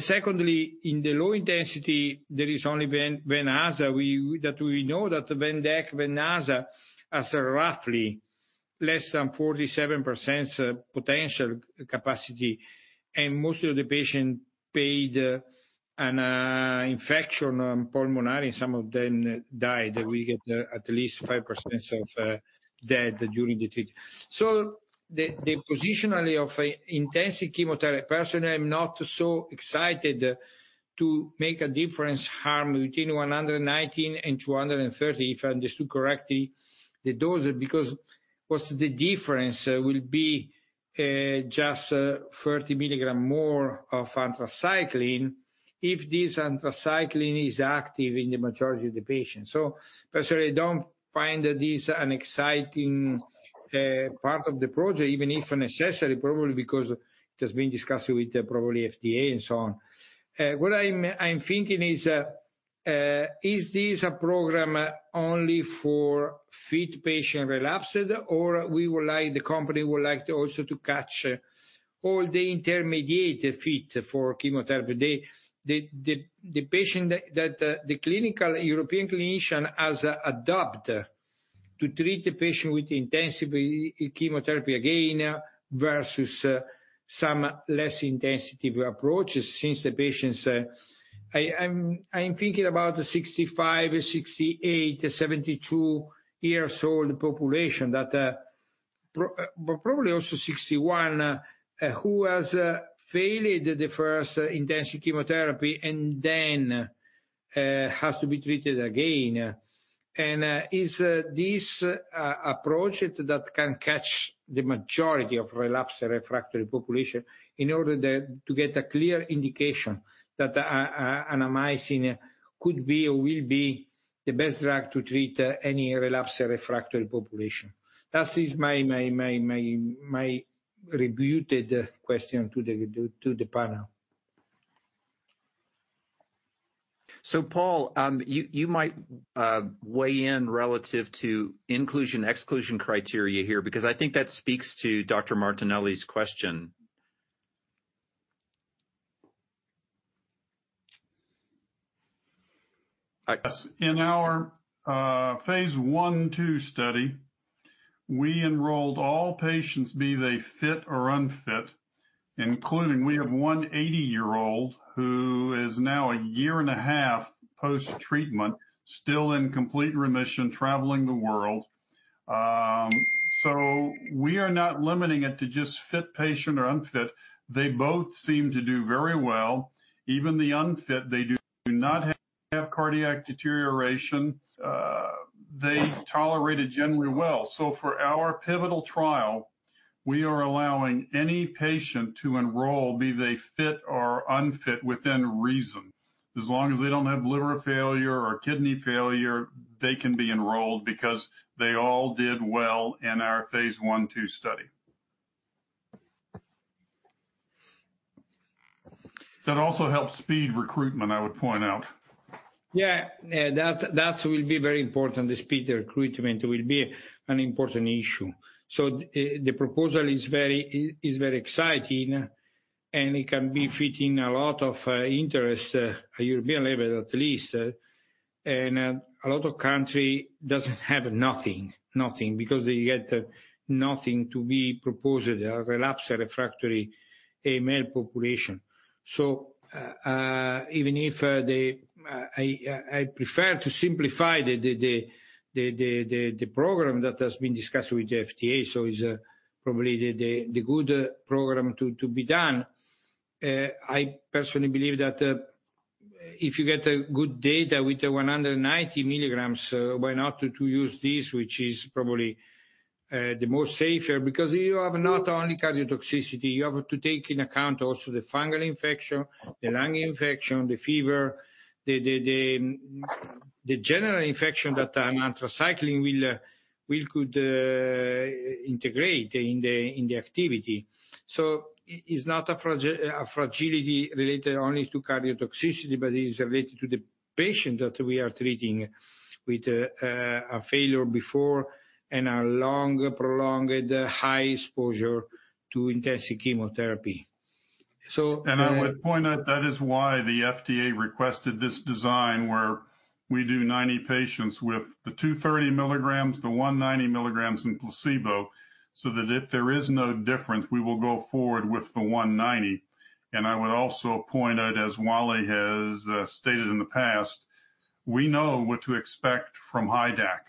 Secondly, in the low intensity, there is only Ven-Aza. That we know that Venetoclax, Ven-Aza, has a roughly less than 47% potential capacity, and most of the patients had a pulmonary infection, and some of them died. We get at least 5% of deaths during the treatment. So the possibility of intensive chemotherapy, personally, I'm not so excited to make a difference in harm between 119 and 230, if I understood correctly, the dosage. Because what's the difference will be just 30 milligrams more of anthracycline, if this anthracycline is active in the majority of the patients. So personally, I don't find this an exciting part of the project, even if necessary, probably because it has been discussed with probably FDA and so on. What I'm thinking is, is this a program only for fit patient relapsed, or we would like, the company would like to also to catch all the intermediate fit for chemotherapy? The patient that the clinical European clinician has adopted to treat the patient with intensive chemotherapy again, versus some less intensity approaches since the patients. I'm thinking about the sixty-five, sixty-eight, seventy-two years old population that, but probably also sixty-one, who has failed the first intensive chemotherapy and then has to be treated again. Is this approach that can catch the majority of relapsed refractory population in order to get a clear indication that Annamycin could be or will be the best drug to treat any relapsed refractory population? That is my refuted question to the panel. So, Paul, you might weigh in relative to inclusion, exclusion criteria here, because I think that speaks to Dr. Martinelli's question. Yes. In our phase I, II study, we enrolled all patients, be they fit or unfit, including we have one 80-year-old who is now a year and a half post-treatment, still in complete remission, traveling the world. So we are not limiting it to just fit patient or unfit. They both seem to do very well. Even the unfit, they do not have cardiac deterioration, they tolerated generally well. So for our pivotal trial, we are allowing any patient to enroll, be they fit or unfit, within reason. As long as they don't have liver failure or kidney failure, they can be enrolled because they all did well in our phase I, II study. That also helps speed recruitment, I would point out. Yeah. Yeah, that will be very important. The speed recruitment will be an important issue. So the proposal is very exciting, and it can be fitting a lot of interest at European level, at least. And a lot of country doesn't have nothing, because they get nothing to be proposed a relapsed/refractory AML population. So even if I prefer to simplify the program that has been discussed with the FDA, so is probably the good program to be done. I personally believe that if you get a good data with the 190 milligrams, why not to use this, which is probably the most safer? Because you have not only cardiotoxicity, you have to take in account also the fungal infection, the lung infection, the fever, the general infection that anthracycline could integrate in the activity. So it's not a fragility related only to cardiotoxicity, but it is related to the patient that we are treating with a failure before, and a long, prolonged high exposure to intensive chemotherapy. So- I would point out, that is why the FDA requested this design, where we do 90 patients with the 230 milligrams, the 190 milligrams in placebo, so that if there is no difference, we will go forward with the 190. I would also point out, as Wally has stated in the past, we know what to expect from HiDAC.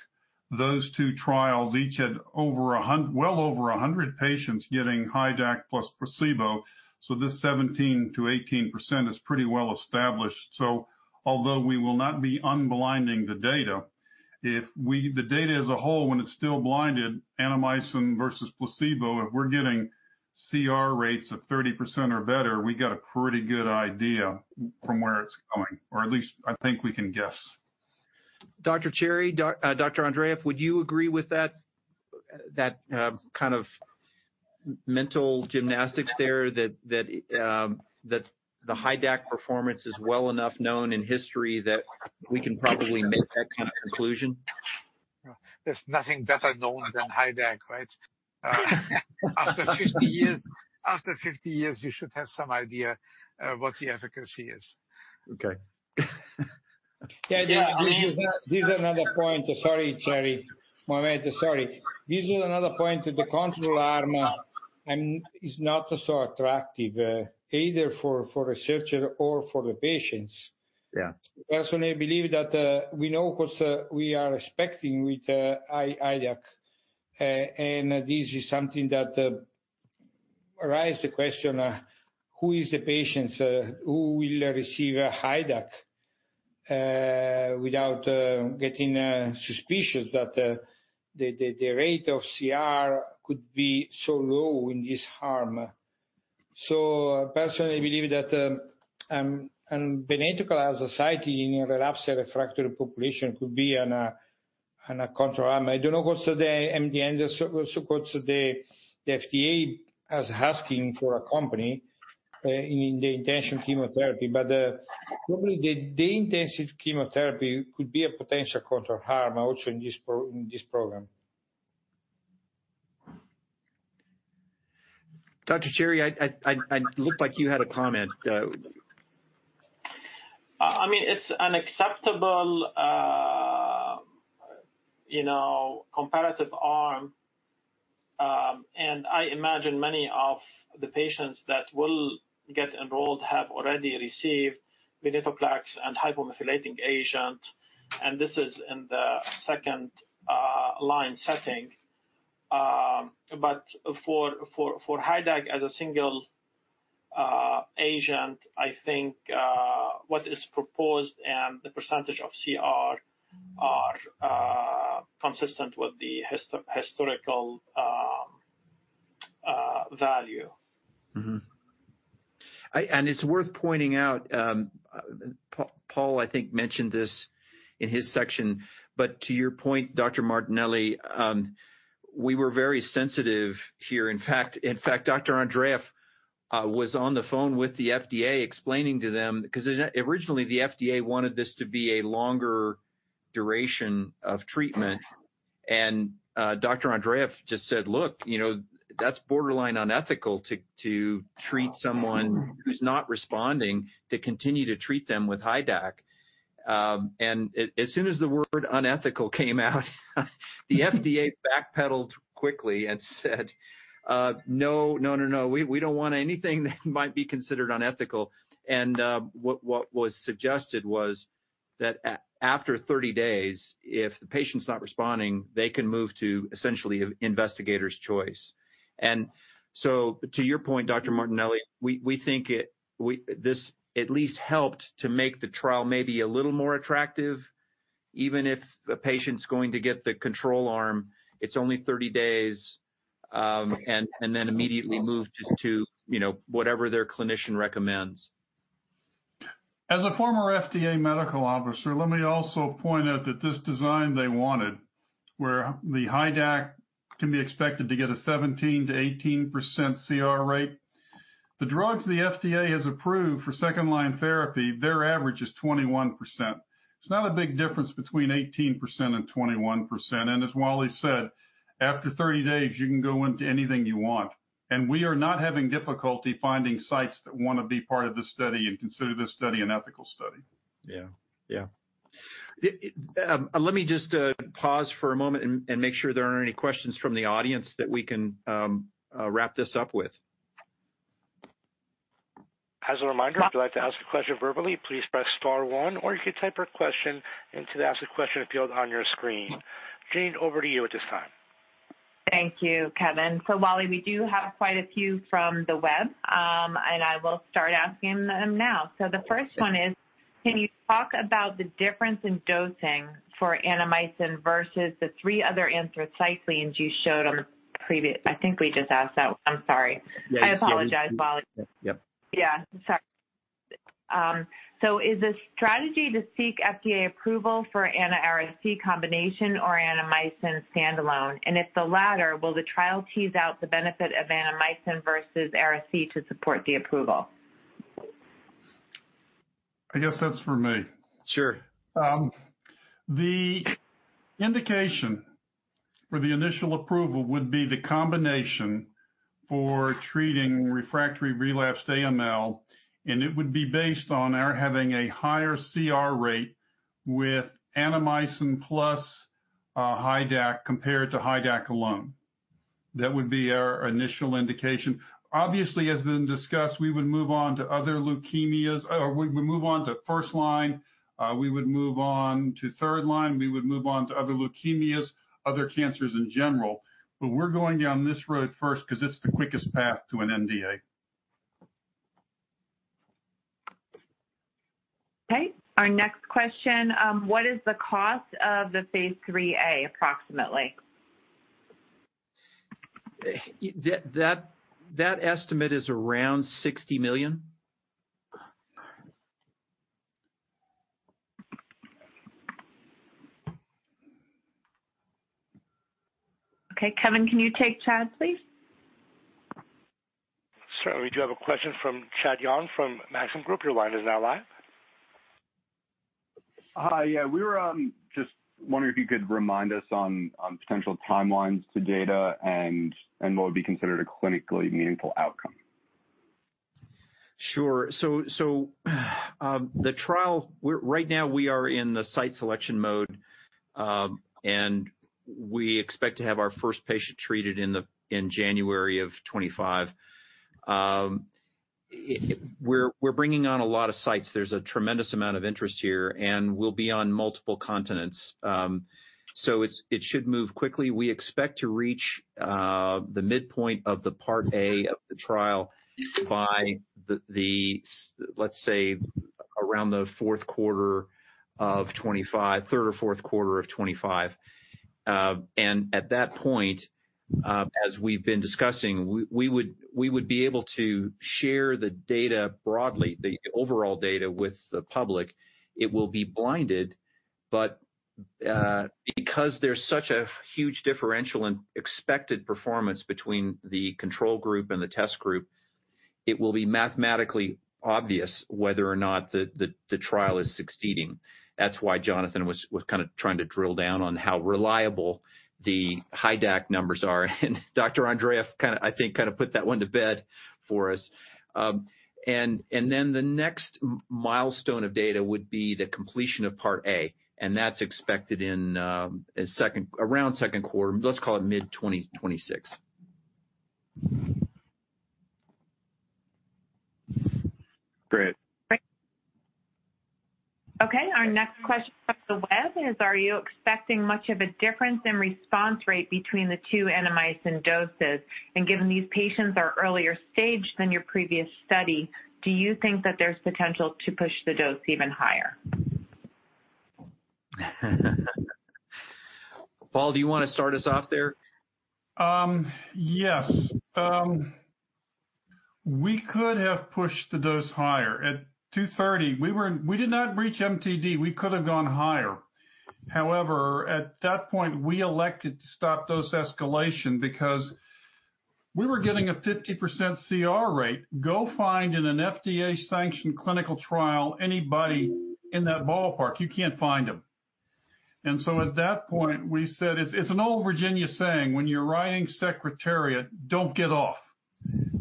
Those two trials each had over a hund- well over 100 patients getting HiDAC plus placebo, so this 17%-18% is pretty well established. So although we will not be unblinding the data, if we the data as a whole, when it is still blinded, Annamycin versus placebo, if we are getting CR rates of 30% or better, we got a pretty good idea from where it is going, or at least I think we can guess. Dr. Cherry, Dr. Andreeff, would you agree with that, that kind of mental gymnastics there, that the HiDAC performance is well enough known in history that we can probably make that kind of conclusion? There's nothing better known than HiDAC, right? After fifty years, after fifty years, you should have some idea what the efficacy is. Okay. Yeah, yeah. This is another point. Sorry, Cherry. Mohamad, sorry. This is another point that the control arm is not so attractive either for researcher or for the patients. Yeah. Personally, I believe that we know what we are expecting with HiDAC. And this is something that arises the question, who the patients who will receive HiDAC without getting suspicious that the rate of CR could be so low in this arm? So personally, I believe that venetoclax/azacitidine in relapsed/refractory population could be a control arm. I don't know what the NDA, also what the FDA is asking for a company in the intensive chemotherapy. But probably the intensive chemotherapy could be a potential control arm also in this program. Dr. Cherry, looked like you had a comment. I mean, it's an acceptable, you know, comparative arm, and I imagine many of the patients that will get enrolled have already received Venetoclax and hypomethylating agent, and this is in the second line setting, but for HiDAC as a single agent, I think what is proposed and the percentage of CR are consistent with the historical value. Mm-hmm. And it's worth pointing out, Paul, I think, mentioned this in his section, but to your point, Dr. Martinelli, we were very sensitive here. In fact, Dr. Andreeff was on the phone with the FDA, explaining to them. Because originally, the FDA wanted this to be a longer duration of treatment, and Dr. Andreeff just said: "Look, you know, that's borderline unethical to treat someone who's not responding, to continue to treat them with HiDAC." And as soon as the word unethical came out, the FDA backpedaled quickly and said: "No, no, no, no. We don't want anything that might be considered unethical." And what was suggested was that after thirty days, if the patient's not responding, they can move to, essentially, investigator's choice. And so to your point, Dr. Martinelli, we think it, this at least helped to make the trial maybe a little more attractive. Even if a patient's going to get the control arm, it's only thirty days, and then immediately moved to, you know, whatever their clinician recommends. As a former FDA medical officer, let me also point out that this design they wanted, where the HiDAC can be expected to get a 17%-18% CR rate, the drugs the FDA has approved for second-line therapy, their average is 21%. It's not a big difference between 18% and 21%, and as Wally said, after 30 days, you can go into anything you want, and we are not having difficulty finding sites that wanna be part of this study and consider this study an ethical study. Yeah. Let me just pause for a moment and make sure there aren't any questions from the audience that we can wrap this up with. As a reminder, if you'd like to ask a question verbally, please press star one, or you can type your question into the Ask a Question field on your screen. Janine, over to you at this time. Thank you, Kevin. So Wally, we do have quite a few from the web, and I will start asking them now. So the first one is: Can you talk about the difference in dosing for Annamycin versus the three other anthracyclines you showed on the previous-- I think we just asked that. I'm sorry. Yeah. I apologize, Wally. Yep. Yeah, sorry. So is the strategy to seek FDA approval for Annamycin-Ara-C combination or Annamycin standalone? And if the latter, will the trial tease out the benefit of Annamycin versus Ara-C to support the approval? I guess that's for me. Sure. The indication for the initial approval would be the combination for treating refractory relapsed AML, and it would be based on our having a higher CR rate with Annamycin plus HiDAC, compared to HiDAC alone. That would be our initial indication. Obviously, as has been discussed, we would move on to other leukemias, or we would move on to first line, we would move on to third line, we would move on to other leukemias, other cancers in general. But we're going down this road first because it's the quickest path to an NDA. Okay. Our next question: What is the cost of the phase III A, approximately? That estimate is around $60 million. Okay, Kevin, can you take Chad, please? Certainly. We do have a question from Chad Young from Maxim Group. Your line is now live. Hi, yeah. We were just wondering if you could remind us on potential timelines to data and what would be considered a clinically meaningful outcome? Sure. So, the trial, we're right now in the site selection mode, and we expect to have our first patient treated in January of 2025. We're bringing on a lot of sites. There's a tremendous amount of interest here, and we'll be on multiple continents. So it should move quickly. We expect to reach the midpoint of part A of the trial by, let's say, around the fourth quarter of 2025, third or fourth quarter of 2025. And at that point, as we've been discussing, we would be able to share the data broadly, the overall data with the public. It will be blinded, but because there's such a huge differential in expected performance between the control group and the test group, it will be mathematically obvious whether or not the trial is succeeding. That's why Jonathan was kind of trying to drill down on how reliable the HiDAC numbers are, and Dr. Andreeff kind of put that one to bed for us. And then the next milestone of data would be the completion of part A, and that's expected in around second quarter, let's call it mid-2026. Great. Great. Okay, our next question from the web is: Are you expecting much of a difference in response rate between the two Annamycin doses? And given these patients are earlier stage than your previous study, do you think that there's potential to push the dose even higher? Paul, do you want to start us off there? Yes. We could have pushed the dose higher. At 230, we did not reach MTD. We could have gone higher. However, at that point, we elected to stop dose escalation because we were getting a 50% CR rate. Go find in an FDA-sanctioned clinical trial, anybody in that ballpark, you can't find them. So at that point, we said, "It's an old Virginia saying, when you're riding Secretariat, don't get off."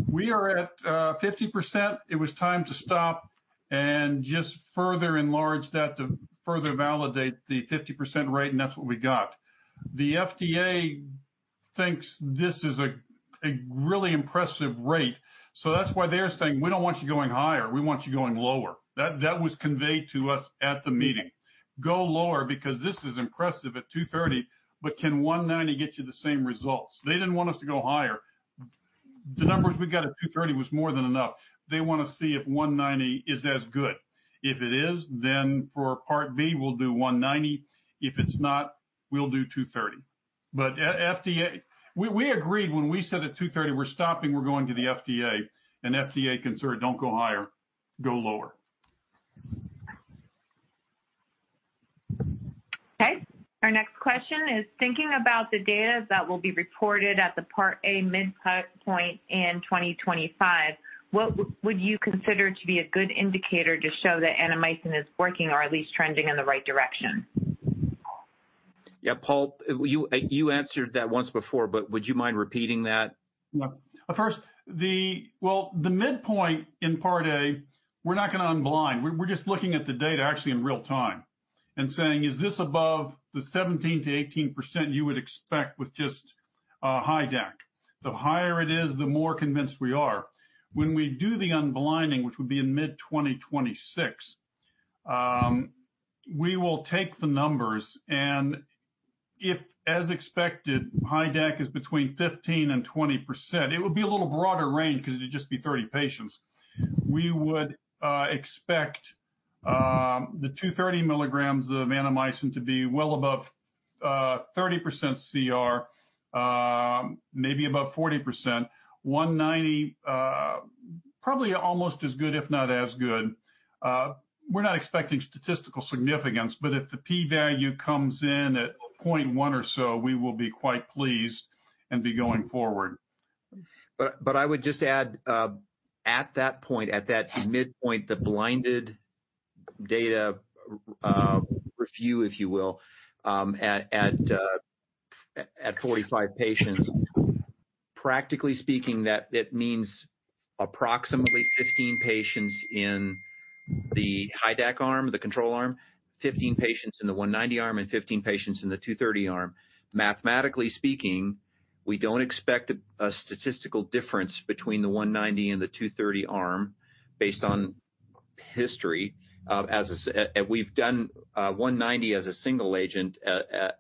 We are at 50%. It was time to stop and just further enlarge that to further validate the 50% rate, and that's what we got. The FDA thinks this is a really impressive rate, so that's why they're saying: "We don't want you going higher. We want you going lower." That was conveyed to us at the meeting. Go lower because this is impressive at two thirty, but can one ninety get you the same results?" They didn't want us to go higher. The numbers we got at two thirty was more than enough. They want to see if one ninety is as good. If it is, then for part B, we'll do one ninety. If it's not, we'll do two thirty. But FDA, we agreed when we said at two thirty, we're stopping, we're going to the FDA, and FDA concerned, don't go higher, go lower. Okay. Our next question is: Thinking about the data that will be reported at the part A mid-point in twenty twenty-five, what would you consider to be a good indicator to show that Annamycin is working or at least trending in the right direction?... Yeah, Paul, you answered that once before, but would you mind repeating that? No, but first, the midpoint in Part A, we're not gonna unblind. We're just looking at the data actually in real time, and saying: Is this above the 17-18% you would expect with justHiDAC? The higher it is, the more convinced we are. When we do the unblinding, which would be in mid-2026, we will take the numbers, and if, as expected, HiDAC is between 15% and 20%, it would be a little broader range because it'd just be 30 patients. We would expect the 230 milligrams of Annamycin to be well above 30% CR, maybe about 40%. 190, probably almost as good, if not as good. We're not expecting statistical significance, but if the P value comes in at point one or so, we will be quite pleased and be going forward. But I would just add at that point, at that midpoint, the blinded data review, if you will, at forty-five patients. Practically speaking, that it means approximately fifteen patients in the HiDAC arm, the control arm, fifteen patients in the one ninety arm, and fifteen patients in the two thirty arm. Mathematically speaking, we don't expect a statistical difference between the one ninety and the two thirty arm, based on history. And we've done one ninety as a single agent,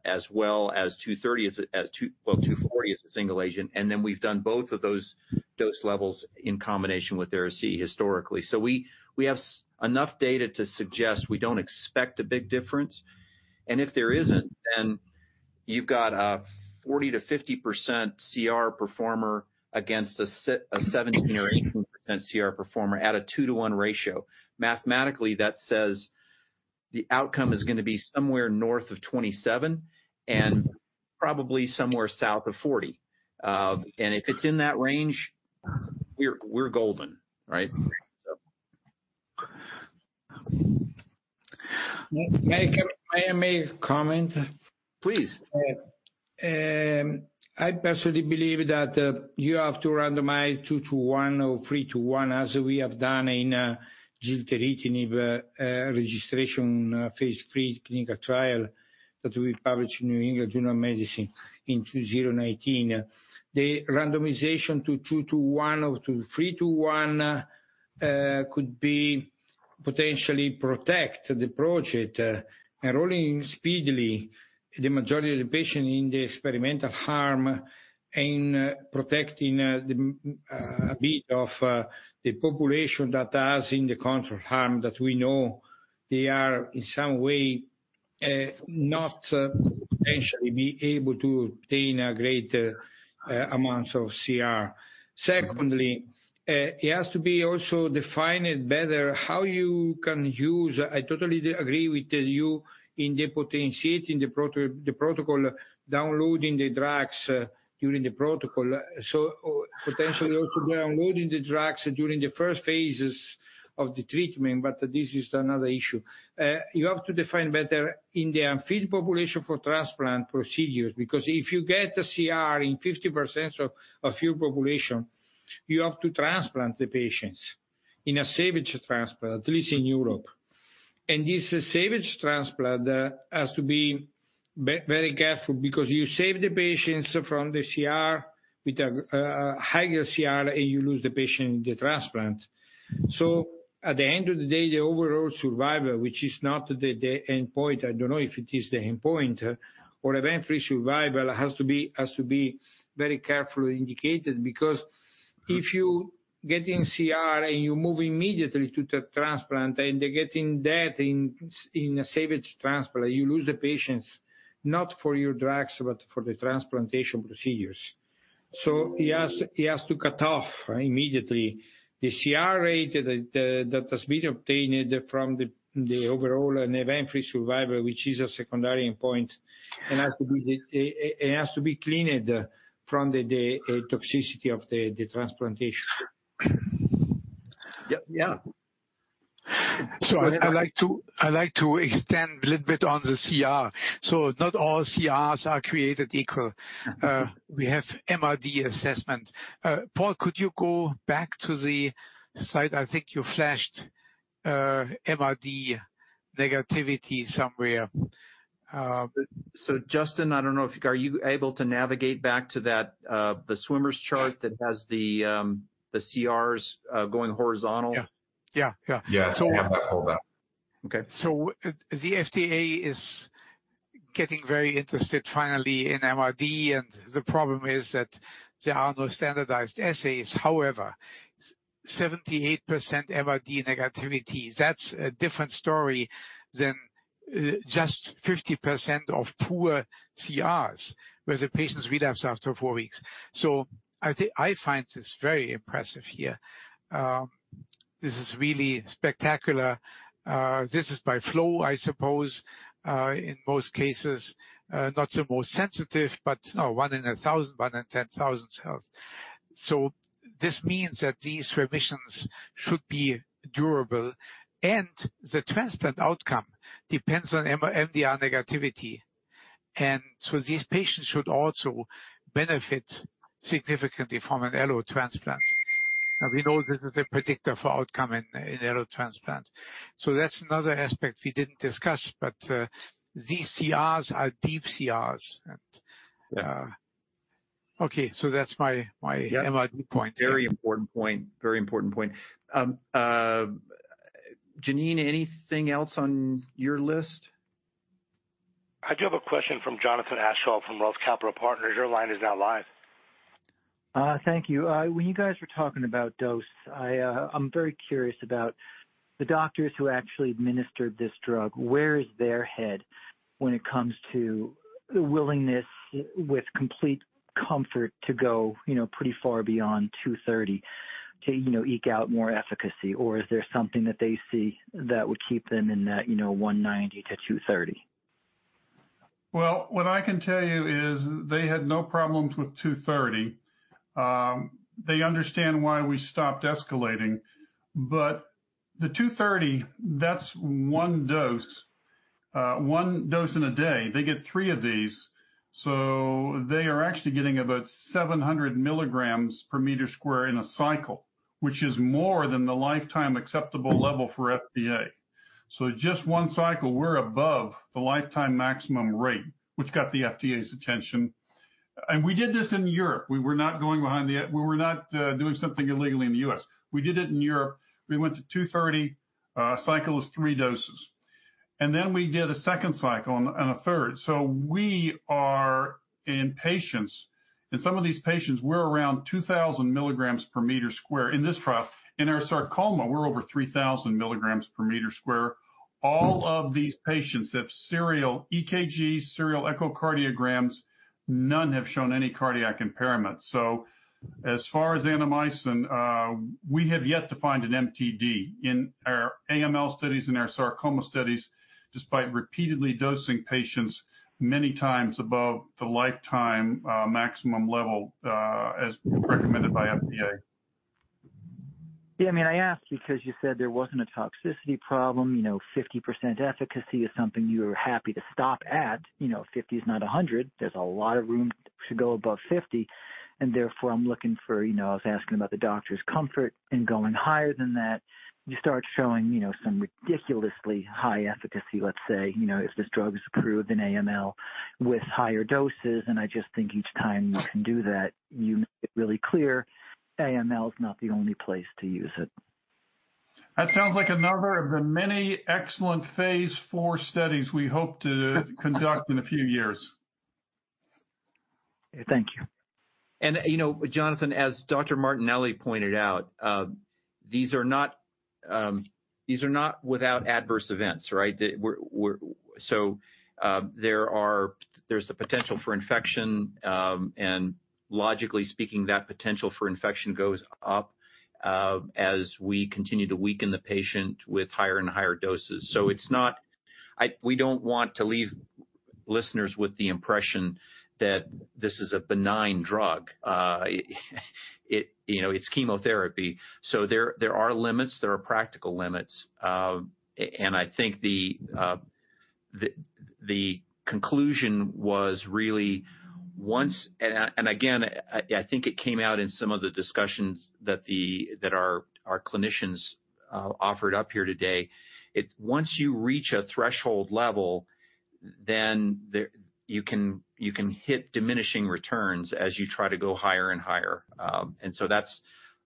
as well as two thirty as a, well, two forty as a single agent, and then we've done both of those dose levels in combination with ara-C, historically. We have enough data to suggest we don't expect a big difference, and if there isn't, then you've got a 40%-50% CR performer against a 17% or 18% CR performer at a 2-to-1 ratio. Mathematically, that says the outcome is gonna be somewhere north of 27%, and probably somewhere south of 40%. And if it's in that range, we're golden, right? May I make a comment? Please. I personally believe that you have to randomize two to one or three to one, as we have done in Gilteritinib registration phase III clinical trial, that we published in New England Journal of Medicine in 2019. The randomization to two to one or to three to one could be potentially protect the project, enrolling speedily the majority of the patient in the experimental arm, in protecting the benefit of the population that has in the control arm, that we know they are in some way not potentially be able to obtain a greater amounts of CR. Secondly, it has to be also defined better, how you can use. I totally agree with you in the potentiating the protocol, downloading the drugs during the protocol. So potentially also downloading the drugs during the first phases of the treatment, but this is another issue. You have to define better in the unfit population for transplant procedures, because if you get a CR in 50% of your population, you have to transplant the patients in a salvage transplant, at least in Europe. And this salvage transplant has to be very careful because you save the patients from the CR with a higher CR, and you lose the patient in the transplant. So at the end of the day, the overall survival, which is not the end point, I don't know if it is the end point, or event-free survival, has to be very carefully indicated. Because if you get in CR and you move immediately to the transplant, and they're getting that in a salvage transplant, you lose the patients, not for your drugs, but for the transplantation procedures. So he has to cut off immediately the CR rate that has been obtained from the overall and event-free survival, which is a secondary endpoint, and has to be cleaned from the toxicity of the transplantation. Yep. Yeah. I'd like to extend a little bit on the CR. Not all CRs are created equal. We have MRD assessment. Paul, could you go back to the slide? I think you flashed MRD negativity somewhere. So, Justin, I don't know if... Are you able to navigate back to that, the swim lane chart that has the CRs going horizontal? Yeah. Yeah, yeah. Yeah, so- Okay. So the FDA is getting very interested, finally, in MRD, and the problem is that there are no standardized assays. However, 78% MRD negativity, that's a different story than just 50% of poor CRs, where the patients relapse after four weeks. So I think I find this very impressive here. This is really spectacular. This is by flow, I suppose. In most cases, not the most sensitive, but one in a thousand, one in ten thousand cells. So- This means that these remissions should be durable, and the transplant outcome depends on MRD negativity. And so these patients should also benefit significantly from an allo transplant. And we know this is a predictor for outcome in allo transplant. So that's another aspect we didn't discuss, but these CRs are deep CRs, and... Okay, so that's my MRD point. Very important point. Very important point. Janine, anything else on your list? I do have a question from Jonathan Aschoff from Roth Capital Partners. Your line is now live. Thank you. When you guys were talking about dose, I'm very curious about the doctors who actually administered this drug. Where is their head when it comes to the willingness, with complete comfort, to go, you know, pretty far beyond two thirty to, you know, eke out more efficacy? Or is there something that they see that would keep them in that, you know, one ninety to two thirty? Well, what I can tell you is they had no problems with 230. They understand why we stopped escalating, but the 230, that's one dose, one dose in a day. They get three of these, so they are actually getting about 700 milligrams per square meter in a cycle, which is more than the lifetime acceptable level for FDA. So just one cycle, we're above the lifetime maximum rate, which got the FDA's attention. And we did this in Europe. We were not doing something illegally in the US. We did it in Europe. We went to 230, cycle of three doses, and then we did a second cycle and a third. So we are in patients, in some of these patients, we're around 2,000 milligrams per square meter in this trial. In our sarcoma, we're over 3000 milligrams per square meter. All of these patients have serial EKGs, serial echocardiograms, none have shown any cardiac impairment. So as far as Annamycin, we have yet to find an MTD in our AML studies and our sarcoma studies, despite repeatedly dosing patients many times above the lifetime maximum level as recommended by FDA. Yeah, I mean, I asked because you said there wasn't a toxicity problem. You know, 50% efficacy is something you are happy to stop at. You know, 50 is not 100. There's a lot of room to go above 50, and therefore, I'm looking for, you know, I was asking about the doctor's comfort in going higher than that. You start showing, you know, some ridiculously high efficacy, let's say, you know, if this drug is approved in AML with higher doses, and I just think each time you can do that, you make it really clear AML is not the only place to use it. That sounds like another of the many excellent phase IV studies we hope to conduct in a few years. Thank you. You know, Jonathan, as Dr. Martinelli pointed out, these are not without adverse events, right? There is the potential for infection, and logically speaking, that potential for infection goes up as we continue to weaken the patient with higher and higher doses. It's not. We don't want to leave listeners with the impression that this is a benign drug. It, you know, it's chemotherapy, so there are limits, practical limits. I think the conclusion was really once. Again, I think it came out in some of the discussions that our clinicians offered up here today. Once you reach a threshold level, then there, you can hit diminishing returns as you try to go higher and higher. And so that's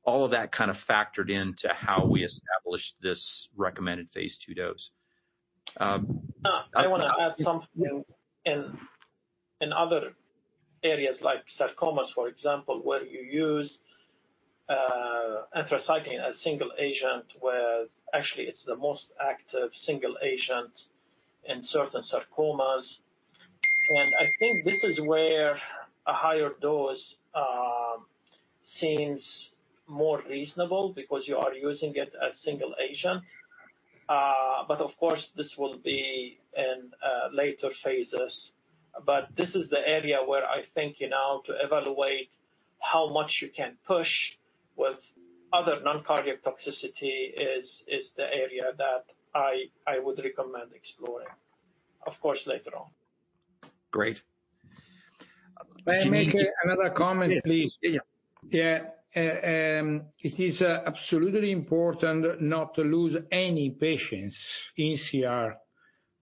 all of that kind of factored into how we established this recommended phase II dose. I want to add something. In other areas like sarcomas, for example, where you use anthracycline as single agent, whereas actually it's the most active single agent in certain sarcomas. And I think this is where a higher dose seems more reasonable because you are using it as single agent. But of course, this will be in later phases. But this is the area where I think, you know, to evaluate how much you can push with other non-cardiotoxicity is the area that I would recommend exploring, of course, later on. Great. May I make another comment, please? Yeah. Yeah. It is absolutely important not to lose any patients in CR.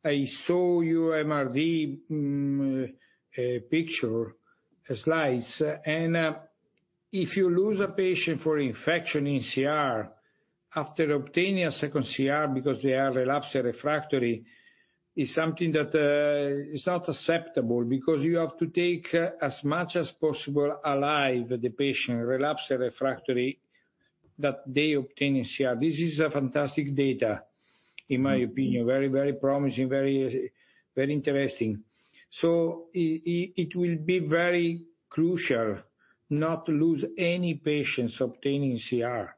I saw your MRD picture slides, and if you lose a patient for infection in CR after obtaining a second CR because they are relapsed refractory, is something that is not acceptable, because you have to take as much as possible, alive, the patient, relapse refractory, that they obtain in CR. This is a fantastic data, in my opinion. Very, very promising, very, very interesting. So it will be very crucial not to lose any patients obtaining CR...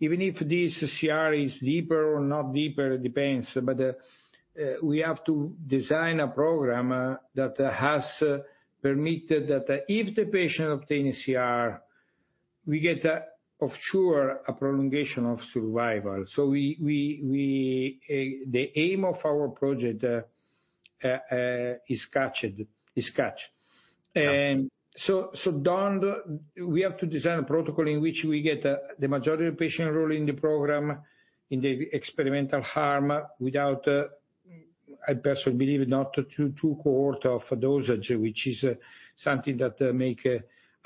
even if this CR is deeper or not deeper, it depends, but we have to design a program that has permitted that if the patient obtain a CR, we get for sure a prolongation of survival. So we the aim of our project is to catch. And so we have to design a protocol in which we get the majority of patients rolled in the program, in the experimental arm, without I personally believe not two cohorts of dose, which is something that make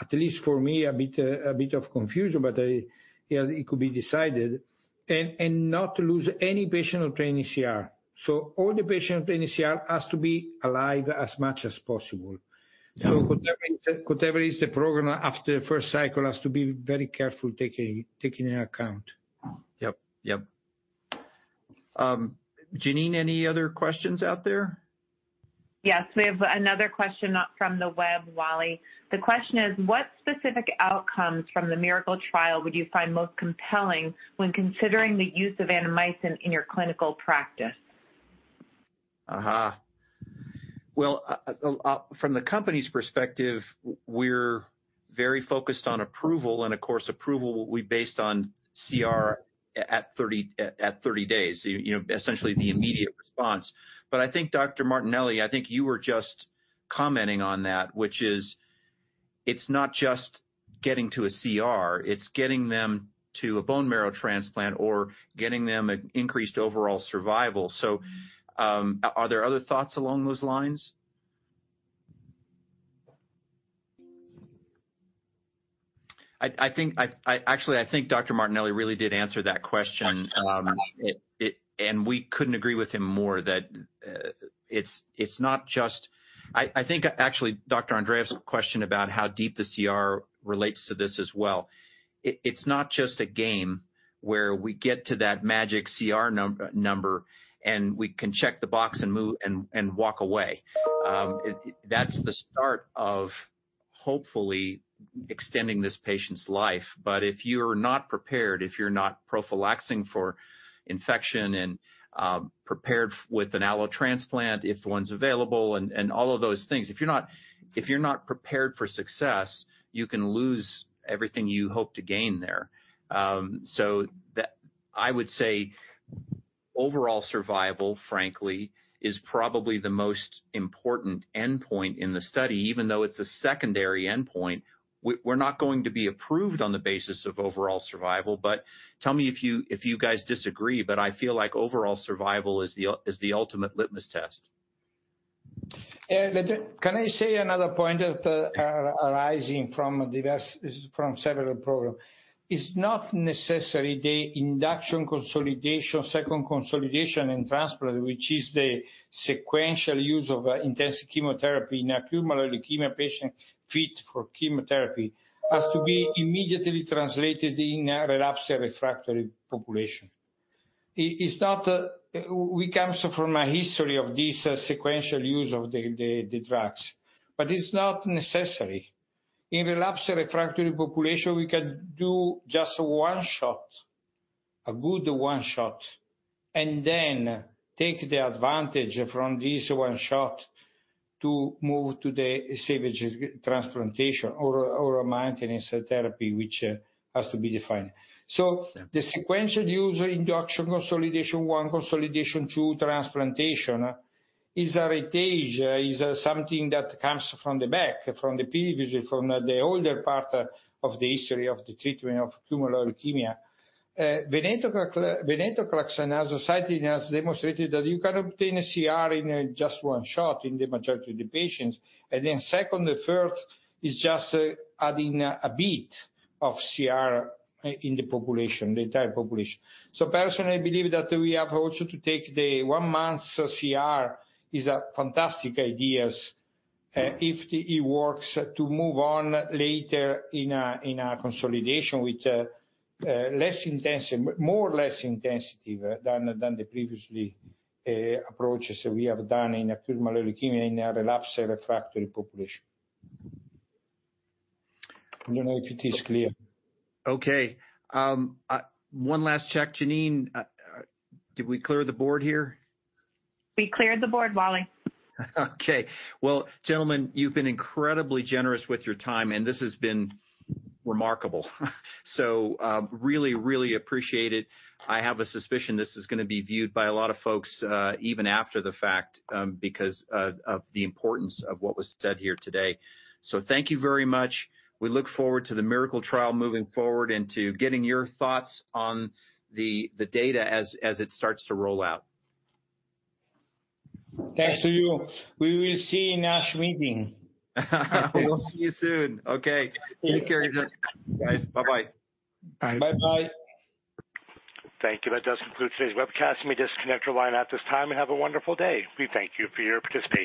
at least for me a bit of confusion. But yeah, it could be decided. And not lose any patient obtaining CR. So all the patient obtaining CR has to be alive as much as possible. Yeah. So whatever is the program after the first cycle has to be very careful, taking into account. Yep. Yep. Janine, any other questions out there? Yes, we have another question from the web, Wally. The question is: What specific outcomes from the Miracle Trial would you find most compelling when considering the use of Annamycin in your clinical practice? Aha! Well, from the company's perspective, we're very focused on approval, and, of course, approval will be based on CR at 30 days. You know, essentially the immediate response. But I think Dr. Martinelli, I think you were just commenting on that, which is, it's not just getting to a CR, it's getting them to a bone marrow transplant or getting them an increased overall survival. So, are there other thoughts along those lines? I actually think Dr. Martinelli really did answer that question. It -- and we couldn't agree with him more that it's not just... I think, actually, Dr. Andreeff's question about how deep the CR relates to this as well. It's not just a game where we get to that magic CR number, and we can check the box and move and walk away. That's the start of hopefully extending this patient's life. But if you're not prepared, if you're not prophylaxing for infection and prepared with an allo transplant, if one's available and all of those things, if you're not prepared for success, you can lose everything you hope to gain there. So that I would say overall survival, frankly, is probably the most important endpoint in the study, even though it's a secondary endpoint. We're not going to be approved on the basis of overall survival, but tell me if you guys disagree, but I feel like overall survival is the ultimate litmus test. Can I say another point that arising from several programs. It's not necessary, the induction consolidation, second consolidation and transplant, which is the sequential use of intensive chemotherapy in a young leukemia patient fit for chemotherapy, has to be immediately translated in a relapsed or refractory population. It, it's not. It comes from a history of this sequential use of the drugs, but it's not necessary. In relapsed refractory population, we can do just one shot, a good one shot, and then take the advantage from this one shot to move to the salvage transplantation or maintenance therapy, which has to be defined. Yeah. So the sequential use, induction consolidation one, consolidation two, transplantation is a heritage, is something that comes from the back, from the previous, from the older part of the history of the treatment of acute leukemia. Venetoclax, Venetoclax and azacitidine has demonstrated that you can obtain a CR in just one shot in the majority of the patients, and then second or third is just adding a bit of CR in the population, the entire population. So personally, I believe that we have also to take the one-month CR is a fantastic ideas, if it works, to move on later in a consolidation with less intensity, more or less intensity than the previously approaches we have done in acute myeloid leukemia in a relapsed or refractory population. I don't know if it is clear. Okay. One last check, Janine. Did we clear the board here? We cleared the board, Wally. Okay. Well, gentlemen, you've been incredibly generous with your time, and this has been remarkable. So, really, really appreciate it. I have a suspicion this is gonna be viewed by a lot of folks, even after the fact, because of the importance of what was said here today. So thank you very much. We look forward to the Miracle Trial moving forward and to getting your thoughts on the data as it starts to roll out. Thanks to you. We will see in next meeting. We'll see you soon. Okay. Take care, guys. Bye-bye. Bye. Bye-bye. Thank you. That does conclude today's webcast. You may disconnect your line at this time, and have a wonderful day. We thank you for your participation.